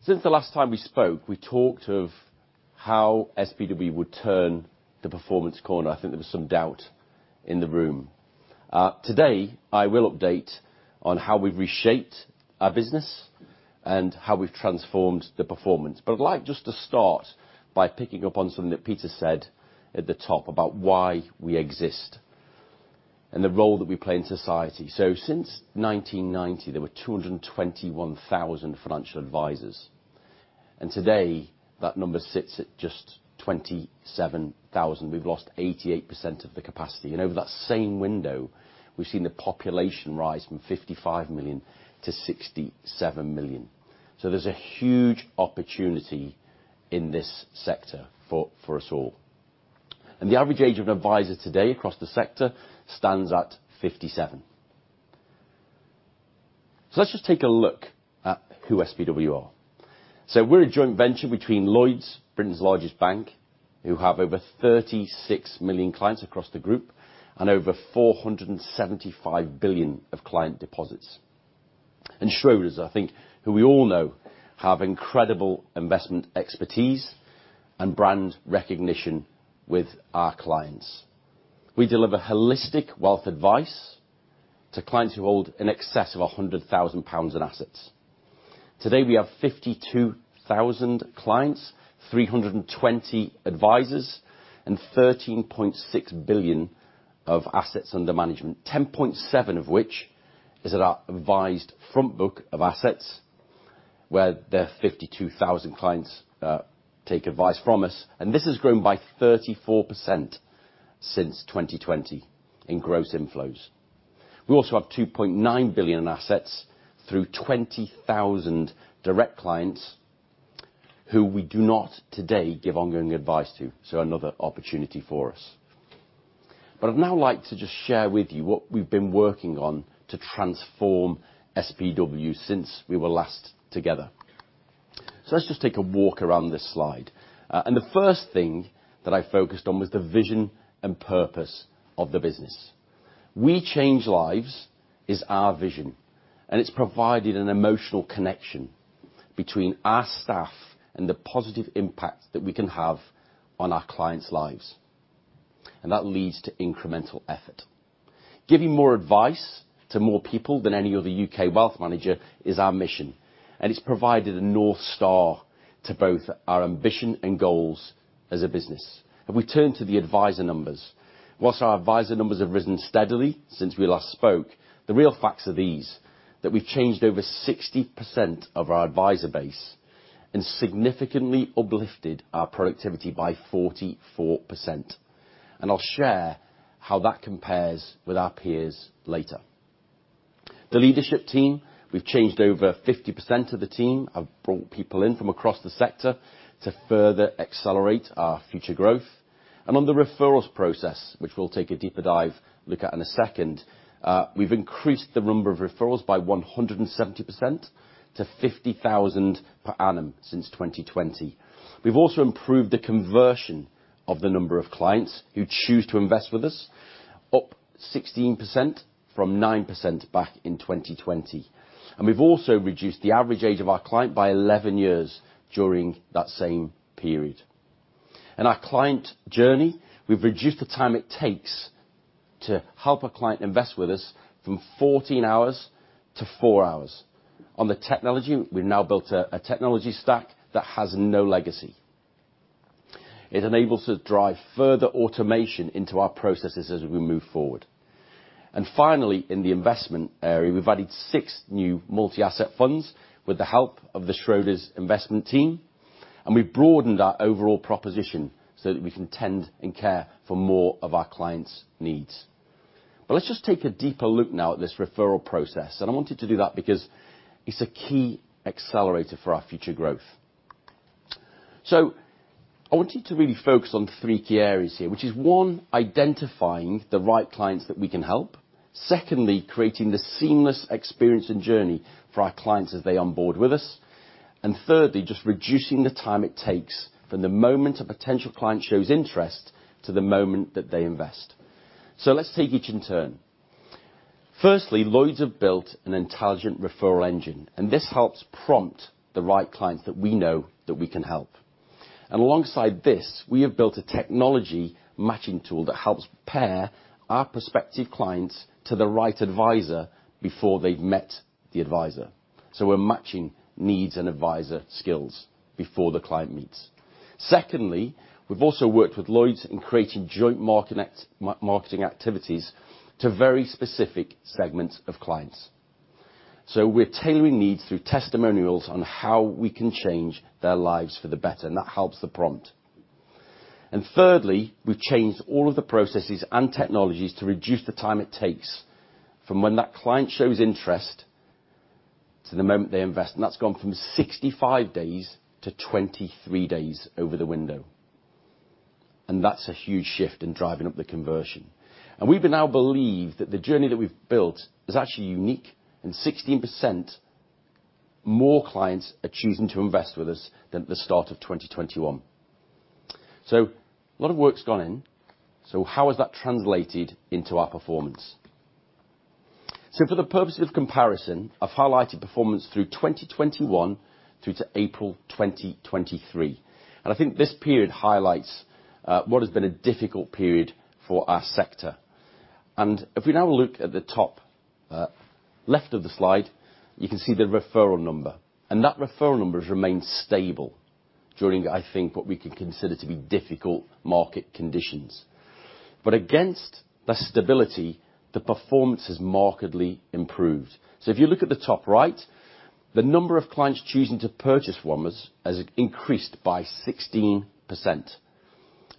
Since the last time we spoke, we talked of how SPW would turn the performance corner. I think there was some doubt in the room. Today, I will update on how we've reshaped our business and how we've transformed the performance. I'd like just to start by picking up on something that Peter said at the top about why we exist and the role that we play in society. Since 1990, there were 221,000 financial advisers, and today, that number sits at just 27,000. We've lost 88% of the capacity, and over that same window, we've seen the population rise from 55 million to 67 million. There's a huge opportunity in this sector for us all. The average age of an adviser today across the sector stands at 57. Let's just take a look at who SPW are. We're a joint venture between Lloyds, Britain's largest bank, who have over 36 million clients across the group, and over 475 billion of client deposits. Schroders, I think, who we all know, have incredible investment expertise and brand recognition with our clients. We deliver holistic wealth advice to clients who hold in excess of 100,000 pounds in assets. Today, we have 52,000 clients, 320 advisers, and 13.6 billion of assets under management, 10.7 of which is at our advised front book of assets, where the 52,000 clients take advice from us, and this has grown by 34% since 2020 in gross inflows. We also have 2.9 billion in assets through 20,000 direct clients who we do not today give ongoing advice to, another opportunity for us. I'd now like to just share with you what we've been working on to transform SPW since we were last together. Let's just take a walk around this slide. The first thing that I focused on was the vision and purpose of the business. We Change Lives is our vision, and it's provided an emotional connection between our staff and the positive impact that we can have on our clients' lives, and that leads to incremental effort. Giving more advice to more people than any other UK wealth manager is our mission, and it's provided a North Star to both our ambition and goals as a business. If we turn to the adviser numbers, whilst our adviser numbers have risen steadily since we last spoke, the real facts are these: that we've changed over 60% of our adviser base and significantly uplifted our productivity by 44%. I'll share how that compares with our peers later. The leadership team, we've changed over 50% of the team. I've brought people in from across the sector to further accelerate our future growth. On the referrals process, which we'll take a deeper dive look at in a second, we've increased the number of referrals by 170% to 50,000 per annum since 2020. We've also improved the conversion of the number of clients who choose to invest with us, up 16% from 9% back in 2020. We've also reduced the average age of our client by 11 years during that same period. In our client journey, we've reduced the time it takes to help a client invest with us from 14 hours to 4 hours. On the technology, we've now built a technology stack that has no legacy. It enables us to drive further automation into our processes as we move forward. Finally, in the investment area, we've added 6 new multi-asset funds with the help of the Schroders investment team, and we've broadened our overall proposition so that we can tend and care for more of our clients' needs. Let's just take a deeper look now at this referral process, and I want you to do that because it's a key accelerator for our future growth. I want you to really focus on three key areas here, which is, 1, identifying the right clients that we can help. Secondly, creating the seamless experience and journey for our clients as they onboard with us. Thirdly, just reducing the time it takes from the moment a potential client shows interest to the moment that they invest. Let's take each in turn. Firstly, Lloyds have built an intelligent referral engine, and this helps prompt the right clients that we know that we can help. Alongside this, we have built a technology matching tool that helps pair our prospective clients to the right advisor before they've met the advisor. We're matching needs and advisor skills before the client meets. Secondly, we've also worked with Lloyds in creating joint marketing activities to very specific segments of clients. We're tailoring needs through testimonials on how we can change their lives for the better, and that helps the prompt. Thirdly, we've changed all of the processes and technologies to reduce the time it takes from when that client shows interest to the moment they invest, and that's gone from 65 days to 23 days over the window. That's a huge shift in driving up the conversion. We now believe that the journey that we've built is actually unique, and 16% more clients are choosing to invest with us than at the start of 2021. A lot of work's gone in. How has that translated into our performance? For the purpose of comparison, I've highlighted performance through 2021 through to April 2023, and I think this period highlights what has been a difficult period for our sector. If we now look at the top, left of the slide, you can see the referral number, and that referral number has remained stable during, I think, what we could consider to be difficult market conditions. Against the stability, the performance has markedly improved. If you look at the top right, the number of clients choosing to purchase from us has increased by 16%, and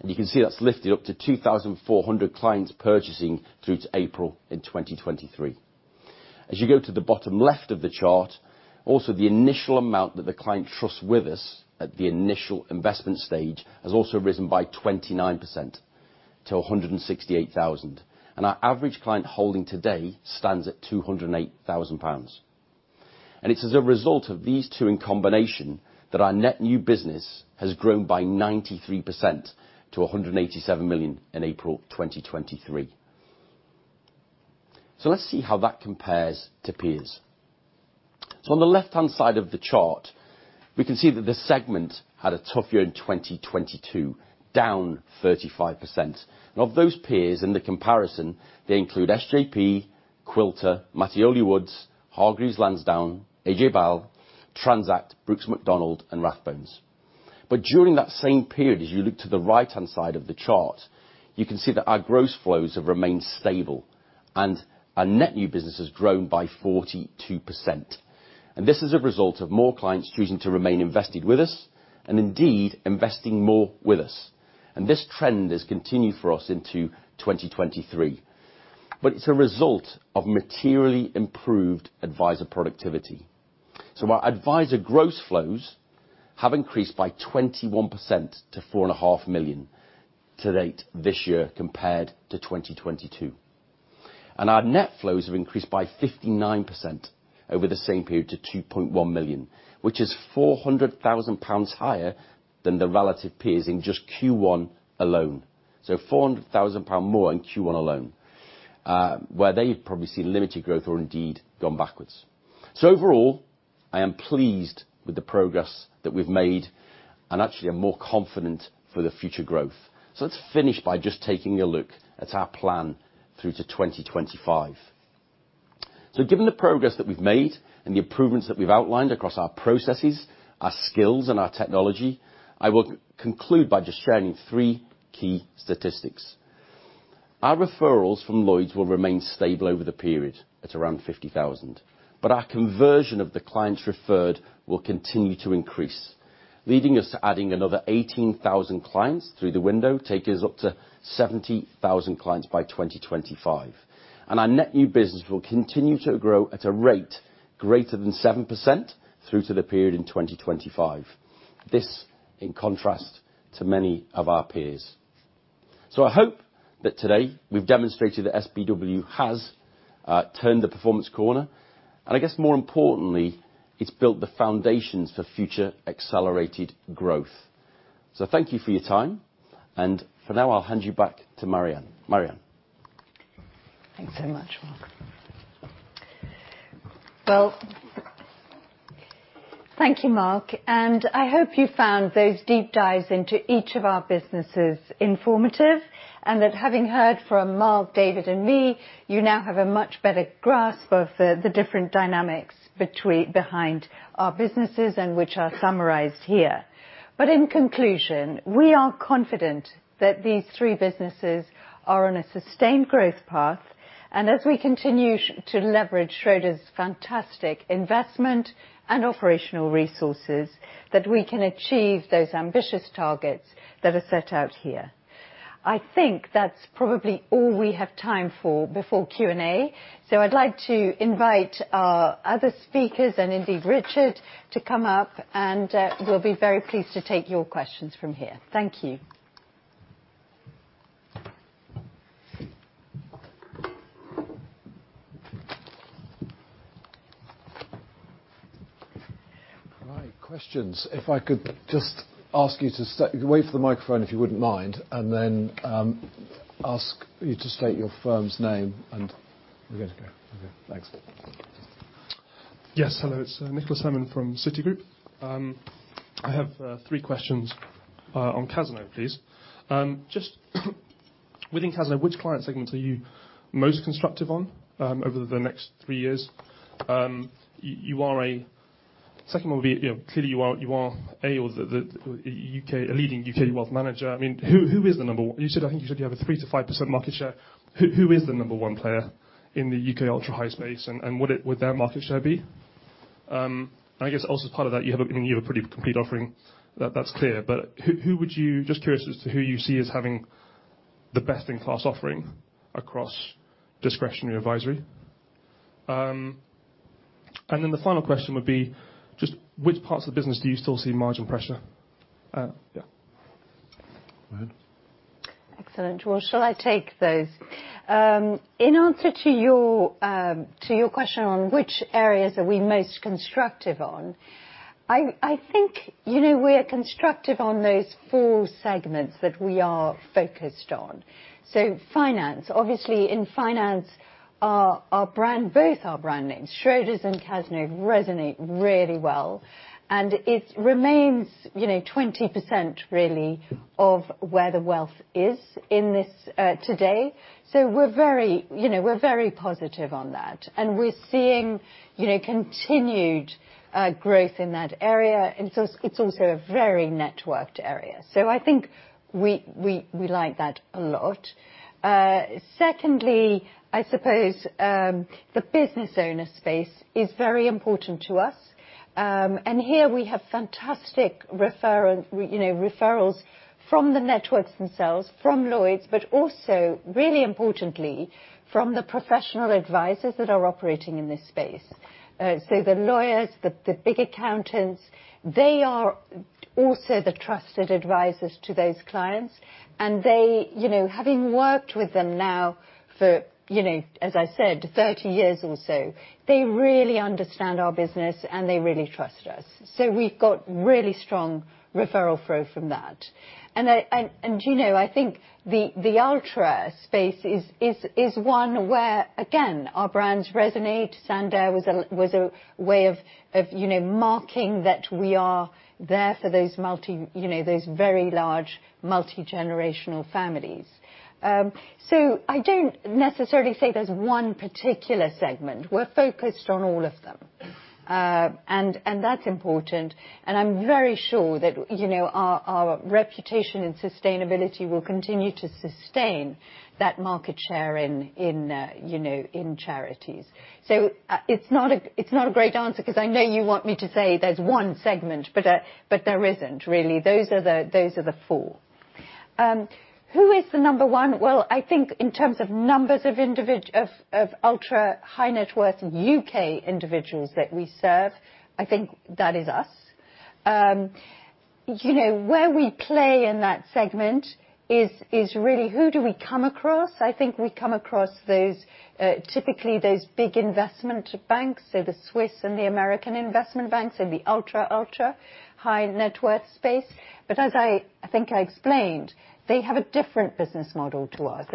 you can see that's lifted up to 2,400 clients purchasing through to April in 2023. As you go to the bottom left of the chart, also, the initial amount that the client trusts with us at the initial investment stage has also risen by 29% to 168,000. Our average client holding today stands at 208,000 pounds. It's as a result of these two in combination, that our net new business has grown by 93% to 187 million in April 2023. Let's see how that compares to peers. On the left-hand side of the chart, we can see that the segment had a tough year in 2022, down 35%. Of those peers in the comparison, they include St. James's Place, Quilter plc, Mattioli Woods, Hargreaves Lansdown, AJ Bell, Transact, Brooks Macdonald, and Rathbones Group Plc. During that same period, as you look to the right-hand side of the chart, you can see that our gross flows have remained stable, and our net new business has grown by 42%. This is a result of more clients choosing to remain invested with us and indeed investing more with us. This trend has continued for us into 2023. It's a result of materially improved advisor productivity. Our advisor gross flows have increased by 21% to 4.5 million to date this year, compared to 2022. Our net flows have increased by 59% over the same period to 2.1 million, which is 400,000 pounds higher than the relative peers in just Q1 alone. 400,000 pound more in Q1 alone, where they've probably seen limited growth or indeed gone backwards. Overall, I am pleased with the progress that we've made and actually are more confident for the future growth. Let's finish by just taking a look at our plan through to 2025. Given the progress that we've made and the improvements that we've outlined across our processes, our skills, and our technology, I will conclude by just sharing three key statistics. Our referrals from Lloyds will remain stable over the period at around 50,000, but our conversion of the clients referred will continue to increase, leading us to adding another 18,000 clients through the window, taking us up to 70,000 clients by 2025. Our net new business will continue to grow at a rate greater than 7% through to the period in 2025. This in contrast to many of our peers. I hope that today we've demonstrated that SPW has turned the performance corner, and I guess more importantly, it's built the foundations for future accelerated growth. Thank you for your time, and for now, I'll hand you back to Mary-Anne. Mary-Anne? Thanks so much, Mark. Well, thank you, Mark, and I hope you found those deep dives into each of our businesses informative, and that having heard from Mark, David, and me, you now have a much better grasp of the different dynamics behind our businesses and which are summarized here. In conclusion, we are confident that these three businesses are on a sustained growth path, and as we continue to leverage Schroders fantastic investment and operational resources, that we can achieve those ambitious targets that are set out here. I think that's probably all we have time for before Q&A. I'd like to invite our other speakers and indeed, Richard, to come up, and we'll be very pleased to take your questions from here. Thank you. All right, questions. If I could just ask you to wait for the microphone, if you wouldn't mind, and then ask you to state your firm's name, and we're good to go. Okay, thanks. Yes, hello, it's Nicolas Simenon from Citigroup. I have 3 questions on Cazenove, please. Just, within Cazenove, which client segments are you most constructive on over the next 3 years? A second one would be, you know, clearly, you are a leading U.K. wealth manager. I mean, who is the number one? You said, I think you said you have a 3%-5% market share. Who is the number one player in the U.K. ultra high space, and what would their market share be? And I guess also part of that, you have a pretty complete offering. That's clear, but who would you? Just curious as to who you see as having the best-in-class offering across discretionary advisory? Then the final question would be, just which parts of the business do you still see margin pressure? Yeah. Go ahead. Excellent. Well, shall I take those? In answer to your to your question on which areas are we most constructive on, I think, you know, we're constructive on those four segments that we are focused on. Finance, obviously, in finance, our brand, both our brand names, Schroders and Cazenove, resonate really well, and it remains, you know, 20% really, of where the wealth is in this today. We're very, you know, we're very positive on that, and we're seeing, you know, continued growth in that area, and so it's also a very networked area. I think we, we like that a lot. Secondly, I suppose, the business owner space is very important to us. Here we have fantastic, you know, referrals from the networks themselves, from Lloyds, but also, really importantly, from the professional advisors that are operating in this space. The lawyers, the big accountants, they are also the trusted advisors to those clients, and they, you know, having worked with them now for, you know, as I said, 30 years or so, they really understand our business, and they really trust us. We've got really strong referral flow from that. I, you know, I think the ultra space is one where, again, our brands resonate. Sandaire was a way of, you know, marking that we are there for those, you know, those very large, multi-generational families. I don't necessarily say there's one particular segment. We're focused on all of them, and that's important, and I'm very sure that, you know, our reputation and sustainability will continue to sustain that market share in charities. It's not a great answer, 'cause I know you want me to say there's one segment, but there isn't really. Those are the 4. Who is the number 1? I think in terms of numbers of ultra-high-net-worth UK individuals that we serve, I think that is us. You know, where we play in that segment is really who do we come across? I think we come across those typically those big investment banks, so the Swiss and the American investment banks, in the ultra high net worth space. As I think I explained, they have a different business model to us.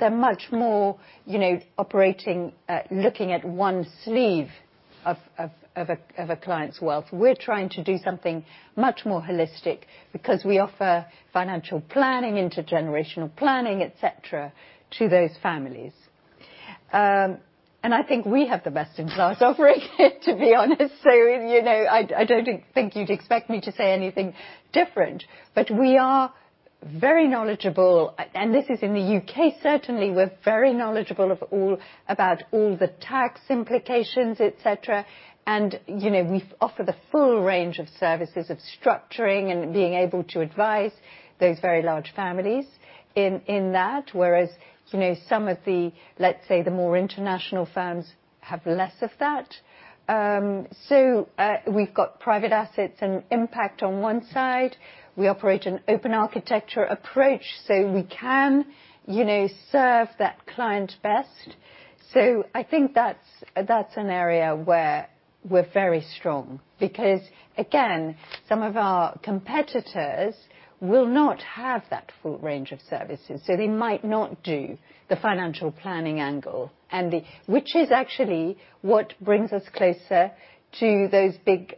They're much more, you know, operating, looking at one sleeve of a client's wealth. We're trying to do something much more holistic because we offer financial planning, intergenerational planning, et cetera, to those families. I think we have the best-in-class offering, to be honest. You know, I don't think you'd expect me to say anything different. We are very knowledgeable, and this is in the U.K., certainly, we're very knowledgeable about all the tax implications, et cetera. You know, we offer the full range of services, of structuring and being able to advise those very large families in that, whereas, you know, some of the, let's say, the more international firms have less of that. We've got private assets and impact on one side. We operate an open architecture approach, so we can, you know, serve that client best. I think that's an area where we're very strong because, again, some of our competitors will not have that full range of services, so they might not do the financial planning angle, and which is actually what brings us closer to those big,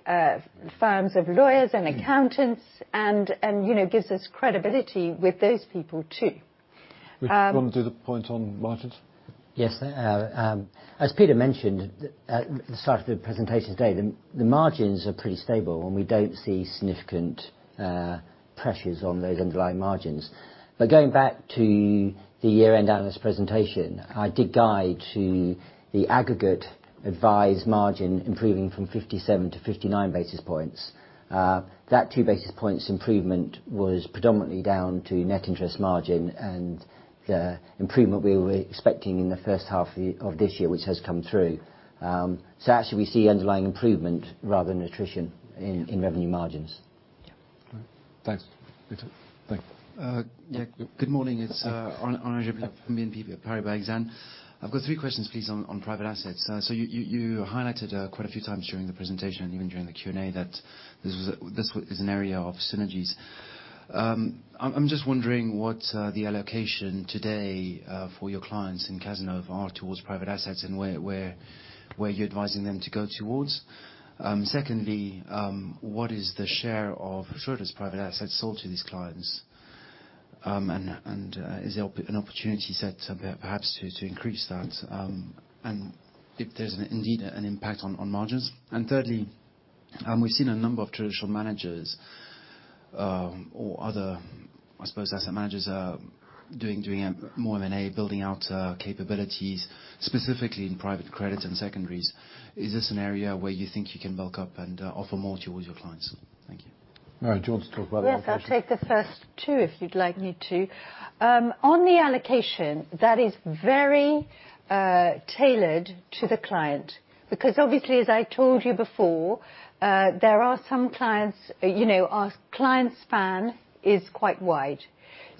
firms of lawyers and accountants and, you know, gives us credibility with those people, too. Do you want to do the point on margins? Yes. As Peter mentioned at the start of the presentation today, the margins are pretty stable, and we don't see significant pressures on those underlying margins. Going back to the year-end analyst presentation, I did guide to the aggregate advised margin improving from 57 to 59 basis points. That 2 basis points improvement was predominantly down to net interest margin and the improvement we were expecting in the first half year of this year, which has come through. Actually, we see underlying improvement rather than attrition in revenue margins. Thanks. Thank you. Yeah, good morning. It's Arnold from BNP Paribas Exane. I've got three questions, please, on private assets. You highlighted quite a few times during the presentation, and even during the Q&A, that this was, is an area of synergies. I'm just wondering what the allocation today for your clients in Cazenove are towards private assets, and where you're advising them to go towards? Secondly, what is the share of Schroders private assets sold to these clients? And is there an opportunity set perhaps to increase that, and if there's indeed an impact on margins? Thirdly, we've seen a number of traditional managers, or other, I suppose, asset managers are doing more M&A, building out capabilities, specifically in private credits and secondaries. Is this an area where you think you can bulk up and offer more towards your clients? Thank you. Mary, do you want to talk about that? Yes, I'll take the first two, if you'd like me to. On the allocation, that is very tailored to the client. Obviously, as I told you before, there are some clients, you know, our clients' span is quite wide.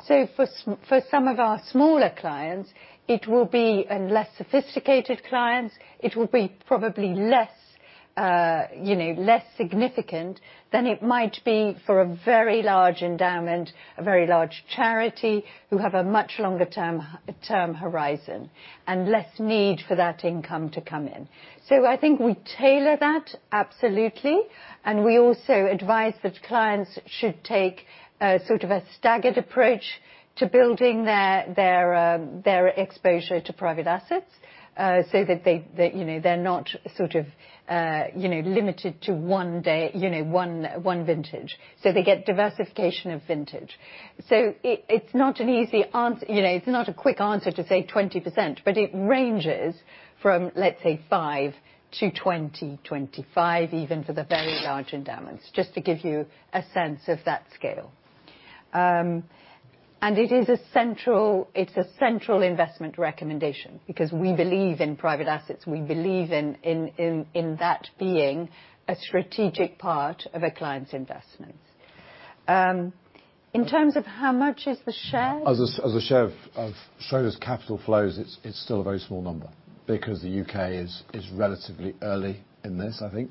For some of our smaller clients, it will be, and less sophisticated clients, it will be probably less, you know, less significant than it might be for a very large endowment, a very large charity, who have a much longer term horizon, and less need for that income to come in. I think we tailor that, absolutely, and we also advise that clients should take, sort of a staggered approach to building their exposure to private assets, so that that, you know, they're not sort of, you know, limited to one day, you know, one vintage. They get diversification of vintage. It's not an easy answer, you know, it's not a quick answer to say 20%, but it ranges from, let's say, 5%-20%, 25% even, for the very large endowments, just to give you a sense of that scale. And it is a central, it's a central investment recommendation because we believe in private assets. We believe in that being a strategic part of a client's investments. In terms of how much is the share? As a share of Schroders' Capital flows, it's still a very small number because the U.K. is relatively early in this, I think,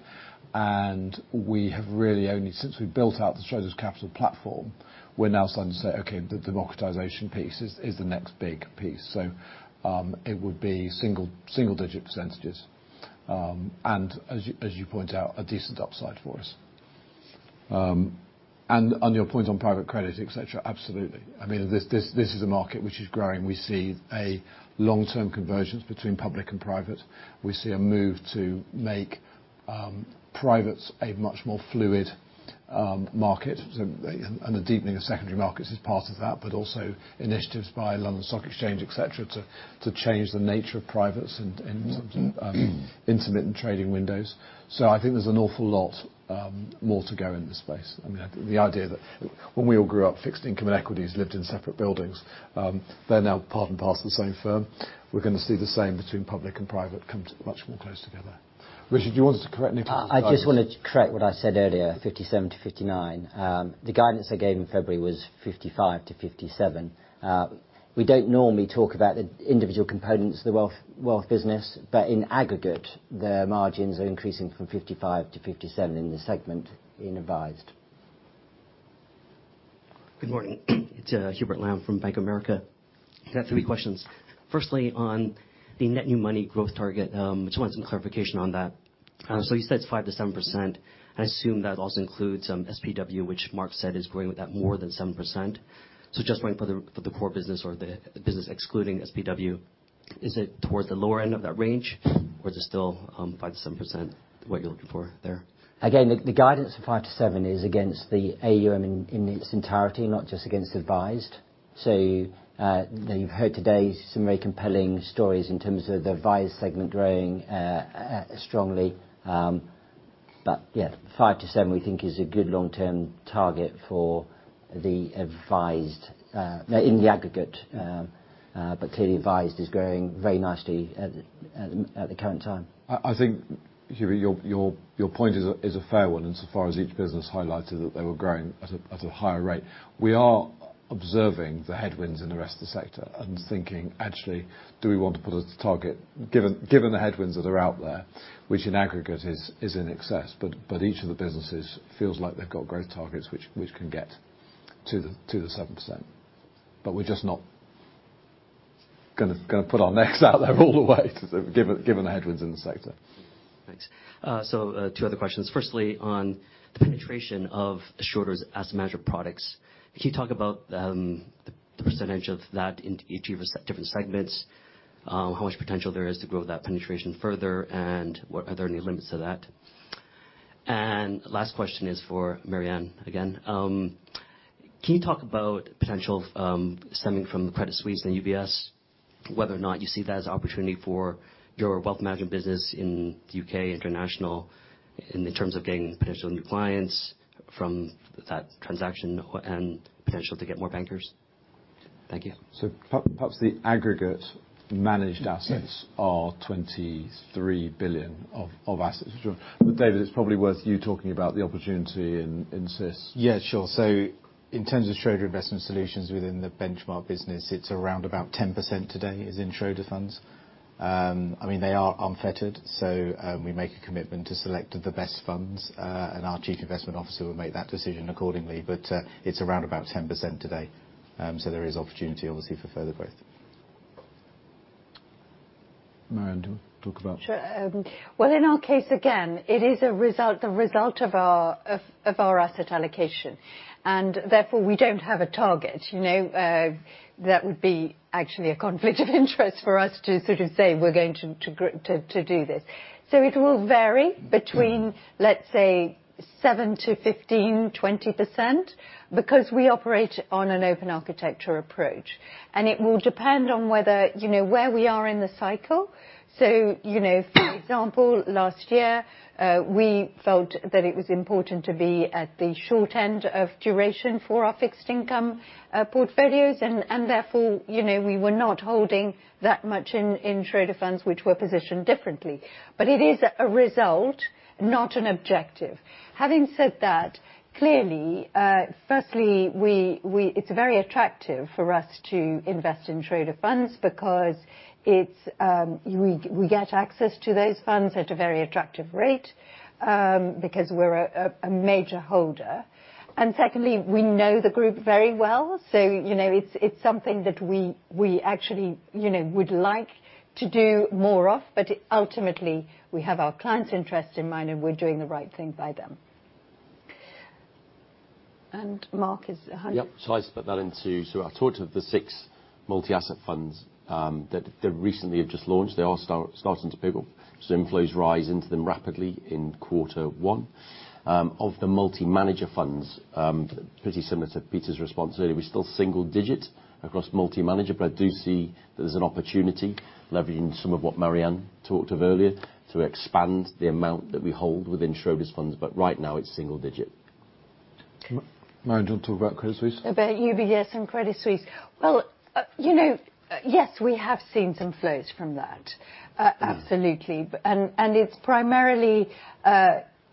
and we have really only. Since we built out the Schroders Capital platform, we're now starting to say, "Okay, the democratization piece is the next big piece." It would be single-digit %. As you point out, a decent upside for us. On your point on private credit, et cetera, absolutely. I mean, this is a market which is growing. We see a long-term convergence between public and private. We see a move to make privates a much more fluid market, so, and a deepening of secondary markets is part of that, but also initiatives by London Stock Exchange, et cetera, to change the nature of privates and intermittent trading windows. I think there's an awful lot more to go in this space. I mean, the idea that when we all grew up, fixed income and equities lived in separate buildings, they're now part and parcel of the same firm. We're going to see the same between public and private come much more close together. Richard, do you want us to correct me? I just wanted to correct what I said earlier, 57%-59%. The guidance I gave in February was 55%-57%. We don't normally talk about the individual components of the wealth business, but in aggregate, the margins are increasing from 55%-57% in the segment in advised. Good morning. It's Hubert Lam from Bank of America. I have 3 questions. Firstly, on the net new money growth target, just want some clarification on that. You said it's 5%-7%. I assume that also includes SPW, which Mark said is growing at more than 7%. Just wanting for the core business or the business excluding SPW, is it towards the lower end of that range, or is it still 5%-7%, what you're looking for there? Again, the guidance of 5-7 is against the AUM in its entirety, not just against advised. You've heard today some very compelling stories in terms of the advised segment growing strongly. Yeah, 5-7, we think is a good long-term target for the advised in the aggregate, but clearly advised is growing very nicely at the current time. I think, Hubert, your point is a fair one, insofar as each business highlighted that they were growing at a higher rate. We are observing the headwinds in the rest of the sector and thinking, "Actually, do we want to put a target, given the headwinds that are out there?" Which in aggregate is in excess, but each of the businesses feels like they've got growth targets which can get to the 7%. We're just not gonna put our necks out there all the way given the headwinds in the sector. Thanks. So, two other questions. Firstly, on the penetration of Schroders' asset management products, can you talk about the percentage of that in each of the different segments? How much potential there is to grow that penetration further, and are there any limits to that? Last question is for Maryanne, again. Can you talk about potential stemming from the Credit Suisse and UBS, whether or not you see that as an opportunity for your wealth management business in the UK, international, in terms of gaining potential new clients from that transaction, and potential to get more bankers? Thank you. Perhaps the aggregate managed assets. Yes. are 23 billion of assets. David, it's probably worth you talking about the opportunity in SIS. Yeah, sure. In terms of Schroder Investment Solutions within the Benchmark business, it's around about 10% today, is in Schroders funds. I mean, they are unfettered, we make a commitment to select the best funds, and our Chief Investment Officer will make that decision accordingly. It's around about 10% today. There is opportunity, obviously, for further growth. Mary-Anne, do you want to talk about... Sure. Well, in our case, again, it is a result, the result of our asset allocation, therefore, we don't have a target. You know, that would be actually a conflict of interest for us to sort of say, "We're going to do this." It will vary between, let's say, 7 to 15, 20%, because we operate on an open architecture approach. It will depend on whether, you know, where we are in the cycle. You know, for example, last year, we felt that it was important to be at the short end of duration for our fixed income portfolios, and therefore, you know, we were not holding that much in Schroder funds, which were positioned differently. It is a result, not an objective. Having said that, clearly, firstly, we, it's very attractive for us to invest in Schroders funds because it's, we get access to those funds at a very attractive rate, because we're a major holder. Secondly, we know the group very well, so, you know, it's something that we actually, you know, would like to do more of, but ultimately, we have our clients' interests in mind, and we're doing the right thing by them. Mark is. Yep. I talked of the 6 multi-asset funds, that recently have just launched. They all starting to pebble. Inflows rise into them rapidly in quarter 1. Of the multi-manager funds, pretty similar to Peter's response earlier, we're still single digit across multi-manager, but I do see that there's an opportunity, leveraging some of what Maryanne talked of earlier, to expand the amount that we hold within Schroders' funds, but right now it's single digit. Maryanne, do you want to talk about Credit Suisse? About UBS and Credit Suisse. You know, yes, we have seen some flows from that, absolutely. Mm. It's primarily,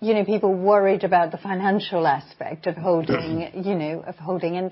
you know, people worried about the financial aspect. Mm... you know, of holding.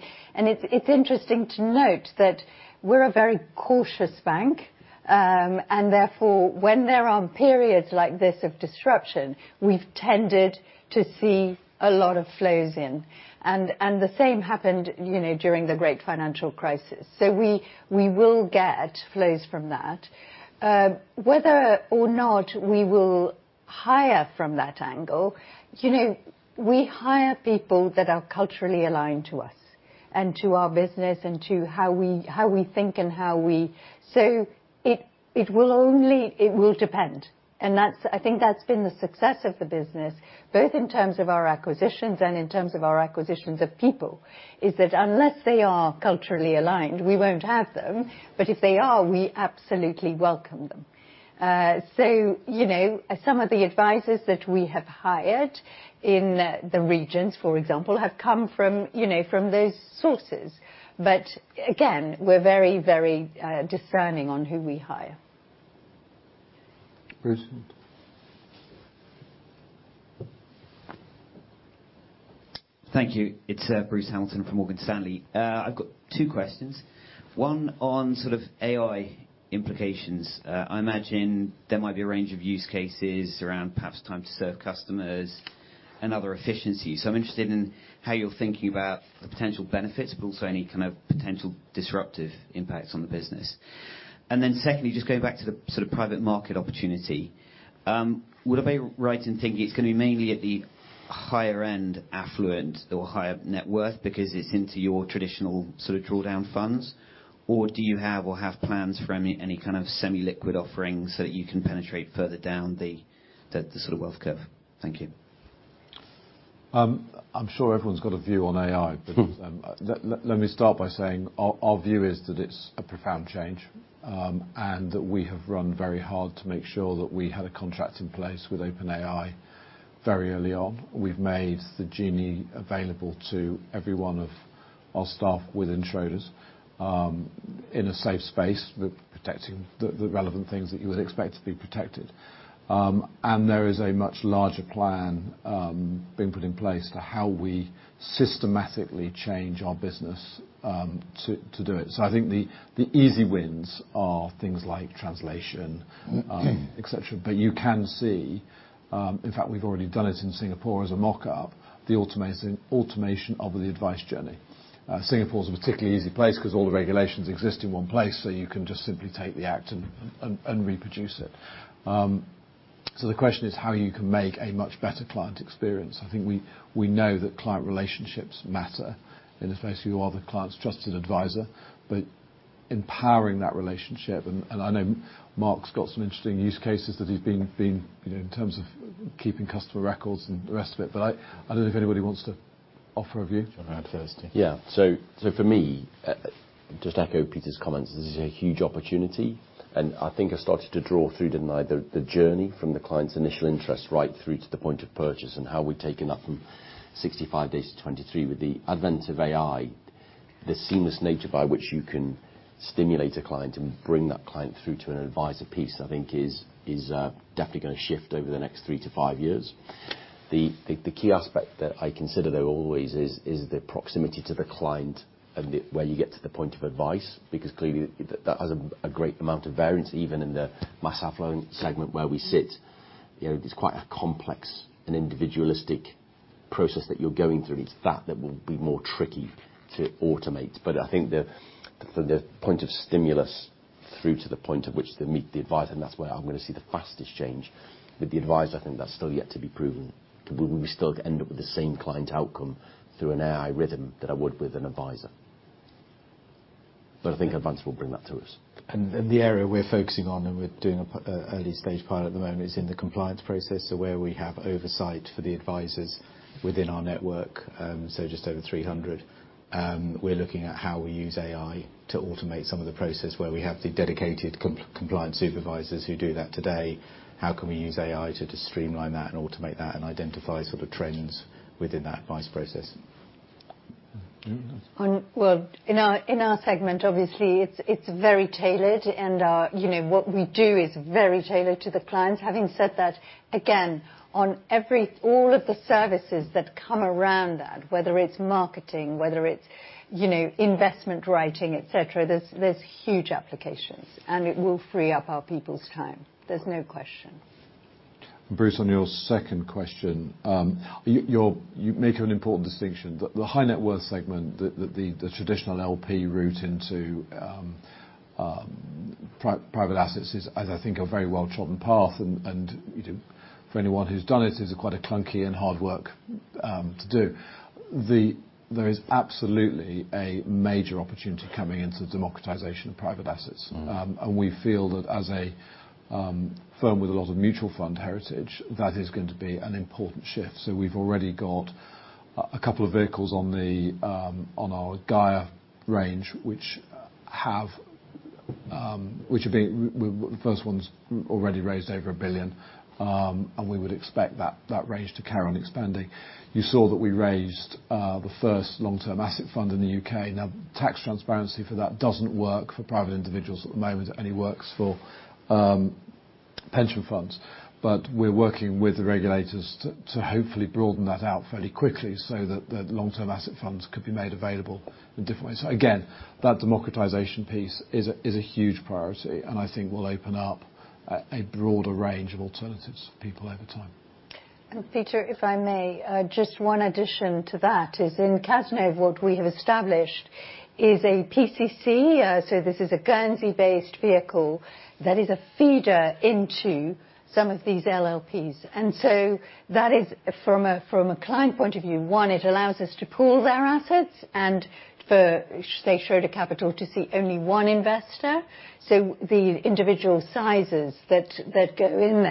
It's interesting to note that we're a very cautious bank, and therefore, when there are periods like this of disruption, we've tended to see a lot of flows in. The same happened, you know, during the great financial crisis. We will get flows from that. Whether or not we will hire from that angle, you know, we hire people that are culturally aligned to us and to our business and to how we think and how we... It will depend. That's, I think that's been the success of the business, both in terms of our acquisitions and in terms of our acquisitions of people, is that unless they are culturally aligned, we won't have them, but if they are, we absolutely welcome them. you know, some of the advisors that we have hired in the regions, for example, have come from, you know, from those sources. Again, we're very discerning on who we hire. Bruce? Thank you. It's Bruce Hamilton from Morgan Stanley. I've got two questions. One on sort of AI implications. I imagine there might be a range of use cases around perhaps time to serve customers and other efficiencies. I'm interested in how you're thinking about the potential benefits, but also any kind of potential disruptive impacts on the business. Secondly, just going back to the sort of private market opportunity, would I be right in thinking it's going to be mainly at the higher end, affluent or higher net worth, because it's into your traditional sort of drawdown funds? Or do you have or have plans for any kind of semi-liquid offerings so that you can penetrate further down the sort of wealth curve? Thank you. I'm sure everyone's got a view on AI. let me start by saying our view is that it's a profound change, and that we have run very hard to make sure that we had a contract in place with OpenAI very early on. We've made the genie available to every one of our staff within Schroders, in a safe space, with protecting the relevant things that you would expect to be protected. there is a much larger plan being put in place for how we systematically change our business to do it. I think the easy wins are things like translation, et cetera. you can see, in fact, we've already done it in Singapore as a mock-up, the automation of the advice journey. Singapore is a particularly easy place because all the regulations exist in one place, so you can just simply take the act and reproduce it. The question is how you can make a much better client experience. I think we know that client relationships matter, and especially if you are the client's trusted advisor, but empowering that relationship, and I know Mark's got some interesting use cases that he's been. You know, in terms of keeping customer records and the rest of it, but I don't know if anybody wants to offer a view. Sure, I'd firstly. For me, just to echo Peter's comments, this is a huge opportunity, and I think I started to draw through, didn't I, the journey from the client's initial interest right through to the point of purchase and how we've taken that from 65 days to 23. With the advent of AI, the seamless nature by which you can stimulate a client and bring that client through to an advisor piece, I think is definitely going to shift over the next 3 to 5 years. The key aspect that I consider, though, always is the proximity to the client and the where you get to the point of advice, because clearly, that has a great amount of variance, even in the mass affluent segment where we sit. You know, it's quite a complex and individualistic process that you're going through. It's that that will be more tricky to automate. I think the, from the point of stimulus through to the point of which they meet the advisor, and that's where I'm going to see the fastest change. With the advisor, I think that's still yet to be proven. We will still end up with the same client outcome through an AI rhythm that I would with an advisor. I think advance will bring that to us. The area we're focusing on, we're doing a early-stage pilot at the moment, is in the compliance process, so where we have oversight for the advisors within our network, so just over 300. We're looking at how we use AI to automate some of the process where we have the dedicated compliance supervisors who do that today. How can we use AI to just streamline that and automate that, and identify sort of trends within that advice process? Well, in our segment, obviously, it's very tailored, and, you know, what we do is very tailored to the clients. Having said that, again, on all of the services that come around that, whether it's marketing, whether it's, you know, investment writing, et cetera, there's huge applications, and it will free up our people's time. There's no question. Bruce, on your second question, you make an important distinction. The high net worth segment, the traditional LP route into private assets is, I think, a very well-trodden path, and, you know, for anyone who's done it, is quite a clunky and hard work to do. There is absolutely a major opportunity coming into the democratization of private assets. Mm-hmm. We feel that as a firm with a lot of mutual fund heritage, that is going to be an important shift. We've already got a couple of vehicles on the on our GAIA range, which have been. Well, the first one's already raised over 1 billion, and we would expect that range to carry on expanding. You saw that we raised the first Long-Term Asset Fund in the U.K. Tax transparency for that doesn't work for private individuals at the moment. It only works for pension funds. We're working with the regulators to hopefully broaden that out fairly quickly, so that the Long-Term Asset Funds could be made available in different ways. Again, that democratization piece is a huge priority, and I think will open up a broader range of alternatives to people over time. Peter, if I may, just one addition to that is in Cazenove, what we have established is a PCC. So this is a Guernsey-based vehicle that is a feeder into some of these LLPs. So that is from a, from a client point of view, one, it allows us to pool their assets and for, say, Schroders Capital to see only one investor. So the individual sizes that go in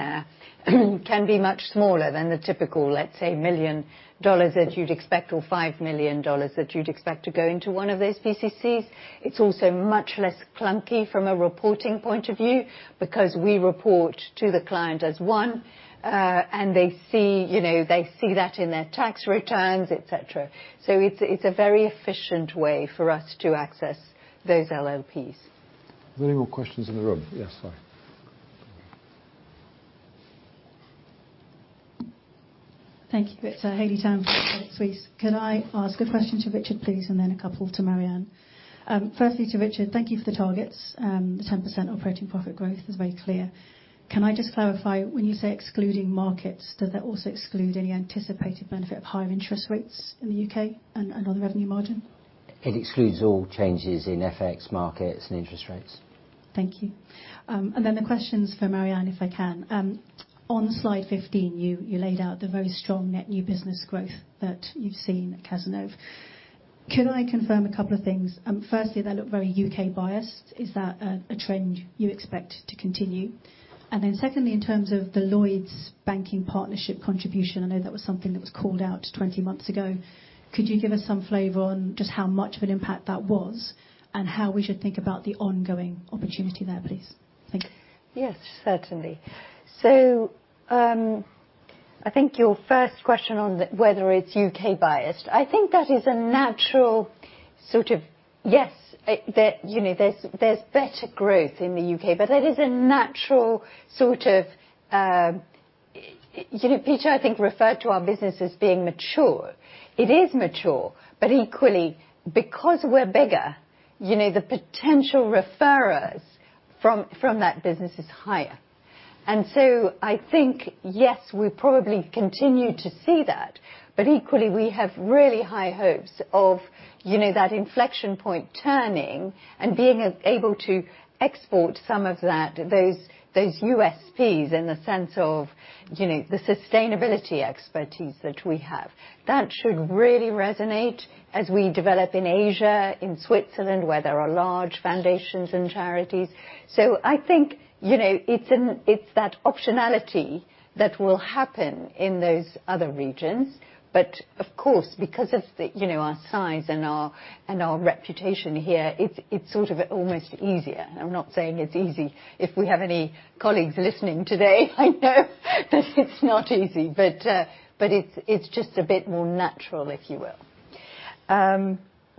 there, can be much smaller than the typical, let's say, $1 million that you'd expect, or $5 million that you'd expect to go into one of those PCCs. It's also much less clunky from a reporting point of view, because we report to the client as one, and they see, you know, they see that in their tax returns, et cetera. It's a very efficient way for us to access those LLPs. Are there any more questions in the room? Yes, sorry. Thank you. It's Haley Tan from Credit Suisse. Could I ask a question to Richard, please, and then a couple to Maryanne? Firstly, to Richard, thank you for the targets. The 10% operating profit growth is very clear. Can I just clarify, when you say excluding markets, does that also exclude any anticipated benefit of higher interest rates in the U.K. and on the revenue margin? It excludes all changes in FX markets and interest rates. Thank you. Then the questions for Mary-Anne, if I can. On slide 15, you laid out the very strong net new business growth that you've seen at Cazenove. Could I confirm a couple of things? Firstly, they look very UK-biased. Is that a trend you expect to continue? Then secondly, in terms of the Lloyds banking partnership contribution, I know that was something that was called out 20 months ago, could you give us some flavor on just how much of an impact that was, and how we should think about the ongoing opportunity there, please? Thank you. Yes, certainly. I think your first question whether it's UK-biased, I think that is a natural sort of... Yes, there, you know, there's better growth in the UK, but it is a natural sort of, you know, Peter, I think, referred to our business as being mature. It is mature, but equally, because we're bigger, you know, the potential referrers from that business is higher. I think, yes, we probably continue to see that, but equally, we have really high hopes of, you know, that inflection point turning and being able to export some of that, those USPs in the sense of, you know, the sustainability expertise that we have. That should really resonate as we develop in Asia, in Switzerland, where there are large foundations and charities. I think, you know, it's that optionality that will happen in those other regions. Of course, because of the, you know, our size and our reputation here, it's sort of almost easier. I'm not saying it's easy. If we have any colleagues listening today, I know that it's not easy, but it's just a bit more natural, if you will.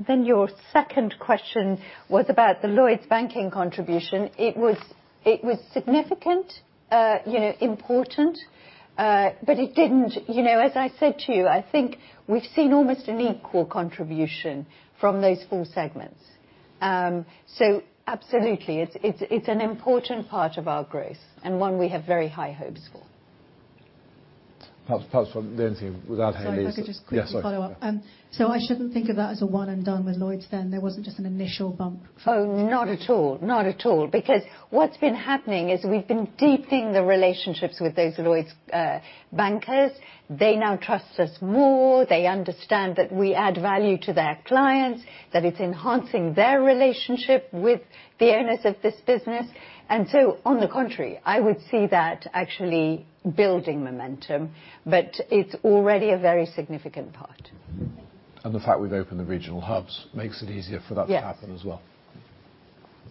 Your second question was about the Lloyds Banking contribution. It was significant, you know, important, but it didn't, you know, as I said to you, I think we've seen almost an equal contribution from those four segments. Absolutely, it's an important part of our growth, and one we have very high hopes for. Perhaps from Lindsay. If I could just quickly follow up. Yes. I shouldn't think of that as a one and done with Lloyds, then? There wasn't just an initial bump? Oh, not at all. Not at all. What's been happening is we've been deepening the relationships with those Lloyds bankers. They now trust us more. They understand that we add value to their clients, that it's enhancing their relationship with the owners of this business. On the contrary, I would see that actually building momentum, it's already a very significant part. Mm-hmm. The fact we've opened the regional hubs makes it easier for that to happen as well.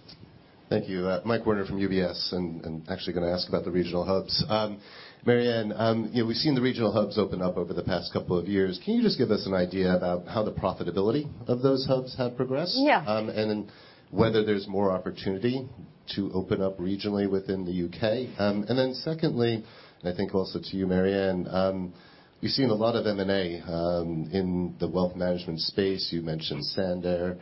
Yes. Thank you. Michael Warner from UBS, actually gonna ask about the regional hubs. Maryanne, you know, we've seen the regional hubs open up over the past couple of years. Can you just give us an idea about how the profitability of those hubs have progressed? Yeah. Whether there's more opportunity to open up regionally within the U.K.? Secondly, I think also to you, Maryanne, we've seen a lot of M&A in the wealth management space. You mentioned Sandaire.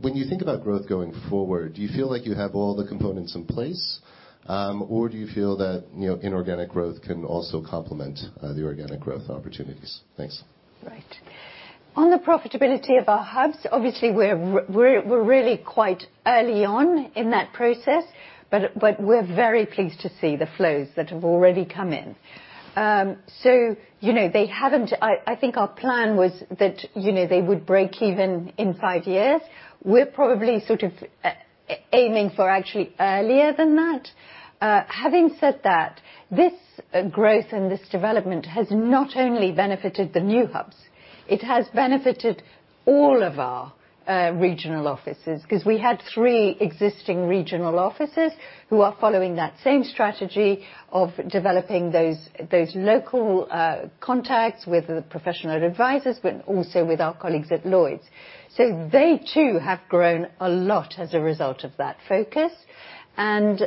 When you think about growth going forward, do you feel like you have all the components in place, or do you feel that, you know, inorganic growth can also complement the organic growth opportunities? Thanks. Right. On the profitability of our hubs, obviously, we're really quite early on in that process, but we're very pleased to see the flows that have already come in. You know, they haven't. I think our plan was that, you know, they would break even in five years. We're probably sort of aiming for actually earlier than that. Having said that, this growth and this development has not only benefited the new hubs, it has benefited all of our regional offices. 'Cause we had three existing regional offices who are following that same strategy of developing those local contacts with the professional advisors, but also with our colleagues at Lloyds. They, too, have grown a lot as a result of that focus, and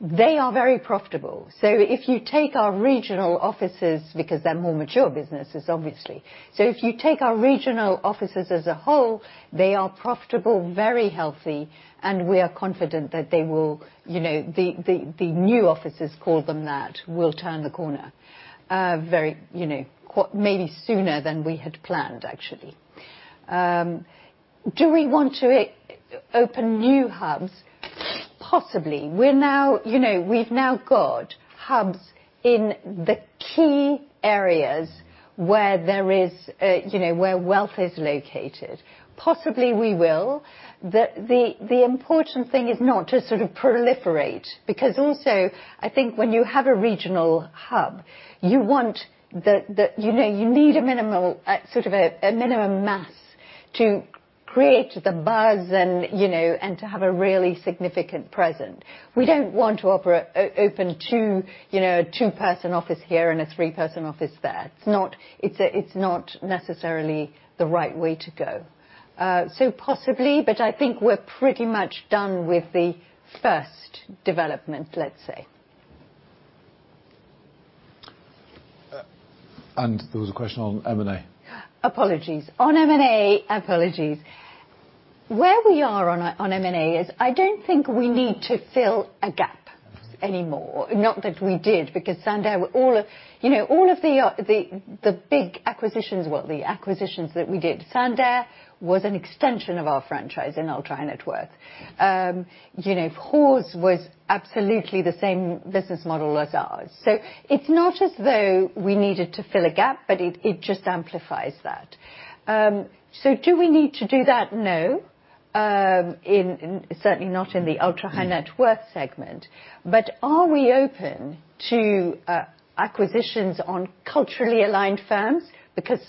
they are very profitable. If you take our regional offices, because they're more mature businesses, obviously. If you take our regional offices as a whole, they are profitable, very healthy, and we are confident that they will, you know, the new offices, call them that, will turn the corner, very, you know, maybe sooner than we had planned, actually. Do we want to open new hubs? Possibly. We're now, you know, we've now got hubs in the key areas where there is a, you know, where wealth is located. Possibly, we will. The important thing is not to sort of proliferate, because also, I think when you have a regional hub, you want the, you know, you need a minimal, sort of a minimum mass to create the buzz and, you know, and to have a really significant presence. We don't want to open two, you know, a two-person office here and a three-person office there. It's not, it's not necessarily the right way to go. Possibly, but I think we're pretty much done with the first development, let's say. There was a question on M&A. Apologies. On M&A, apologies. Where we are on M&A is I don't think we need to fill a gap anymore. Not that we did, because Sandaire, you know, all of the big acquisitions, well, the acquisitions that we did, Sandaire was an extension of our franchise in ultra-high-net-worth. You know, Hawes was absolutely the same business model as ours. It's not as though we needed to fill a gap, but it just amplifies that. Do we need to do that? No, certainly not in the ultra-high-net-worth segment. Are we open to acquisitions on culturally aligned firms?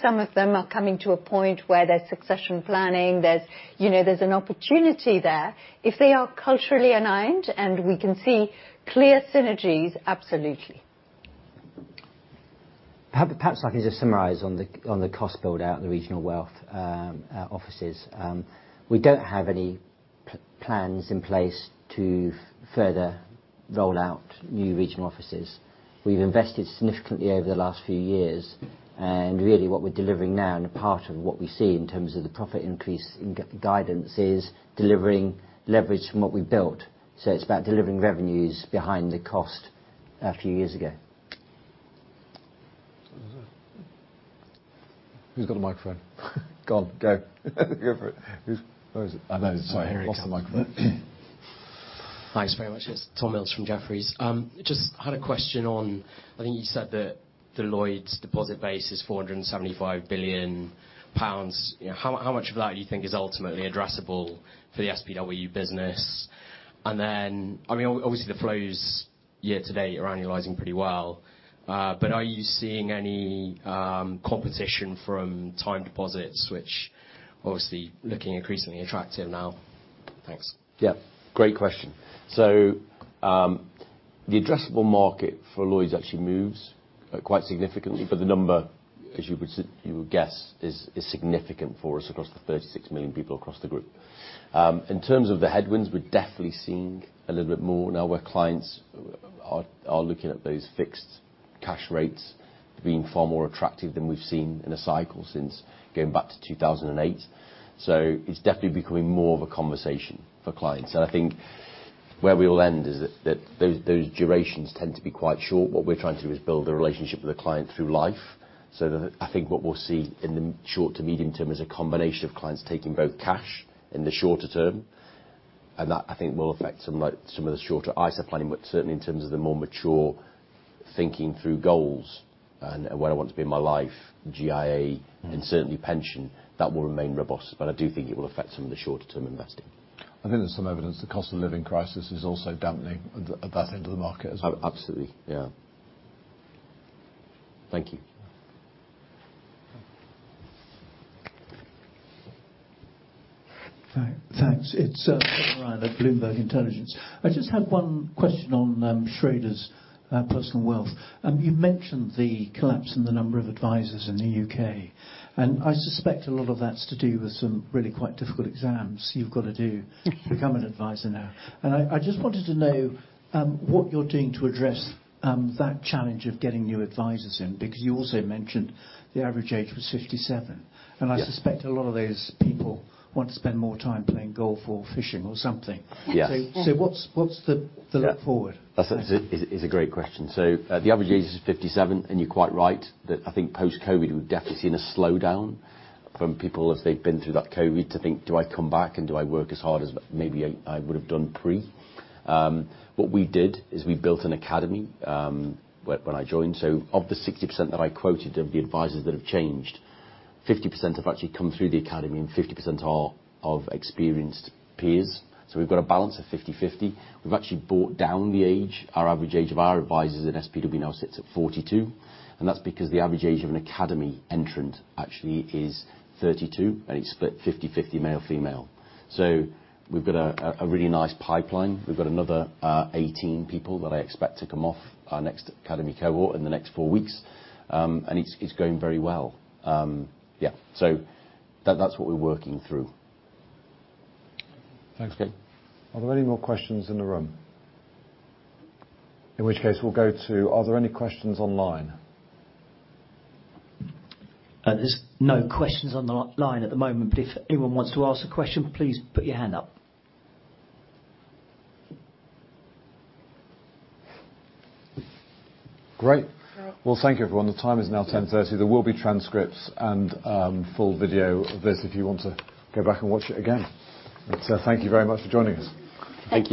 Some of them are coming to a point where there's succession planning, there's, you know, there's an opportunity there. If they are culturally aligned, and we can see clear synergies, absolutely. Perhaps I can just summarize on the cost build-out in the regional wealth offices. We don't have any plans in place to further roll out new regional offices. We've invested significantly over the last few years, and really, what we're delivering now, and a part of what we see in terms of the profit increase in guidance, is delivering leverage from what we've built. It's about delivering revenues behind the cost a few years ago. Who's got a microphone? Go on, go. Go for it. Where is it? I know, sorry, here comes the microphone. Thanks very much. Yes, Tom Mills from Jefferies. Just had a question on, I think you said that the Lloyds deposit base is 475 billion pounds. How much of that do you think is ultimately addressable for the SPW business? I mean, obviously, the flows year to date are annualizing pretty well, but are you seeing any competition from time deposits, which obviously looking increasingly attractive now? Thanks. Yeah, great question.... The addressable market for Lloyds actually moves quite significantly. The number, as you would guess, is significant for us across the 36 million people across the group. In terms of the headwinds, we're definitely seeing a little bit more now where clients are looking at those fixed cash rates being far more attractive than we've seen in a cycle since going back to 2008. It's definitely becoming more of a conversation for clients. I think where we will end is that those durations tend to be quite short. What we're trying to do is build a relationship with the client through life. That I think what we'll see in the short to medium term is a combination of clients taking both cash in the shorter term, and that, I think, will affect some of the shorter ISA planning. Certainly in terms of the more mature thinking through goals and where I want to be in my life, GIA, and certainly pension, that will remain robust. I do think it will affect some of the shorter term investing. I think there's some evidence the cost of living crisis is also dampening at that end of the market as well. Absolutely. Yeah. Thank you. Thanks. It's Ryan at Bloomberg Intelligence. I just have 1 question on Schroders Personal Wealth. You mentioned the collapse in the number of advisors in the U.K., and I suspect a lot of that's to do with some really quite difficult exams you've got to do to become an advisor now. I just wanted to know what you're doing to address that challenge of getting new advisors in, because you also mentioned the average age was 57. Yeah. I suspect a lot of those people want to spend more time playing golf or fishing or something. Yes. what's the look forward? That's a great question. The average age is 57, and you're quite right, that I think post-COVID, we've definitely seen a slowdown from people as they've been through that COVID, to think, "Do I come back, and do I work as hard as maybe I would have done pre?" What we did is we built an academy when I joined. Of the 60% that I quoted, of the advisors that have changed, 50% have actually come through the academy, and 50% are of experienced peers. We've got a balance of 50/50. We've actually brought down the age. Our average age of our advisors at SPW now sits at 42, and that's because the average age of an academy entrant actually is 32, and it's split 50/50 male, female. We've got a really nice pipeline. We've got another 18 people that I expect to come off our next academy cohort in the next 4 weeks. It's going very well. That, that's what we're working through. Thanks. Are there any more questions in the room? In which case, we'll go to, are there any questions online? There's no questions on the line at the moment, but if anyone wants to ask a question, please put your hand up. Great! Well, thank you, everyone. The time is now 10:30 A.M. There will be transcripts and full video of this if you want to go back and watch it again. Thank you very much for joining us. Thank you.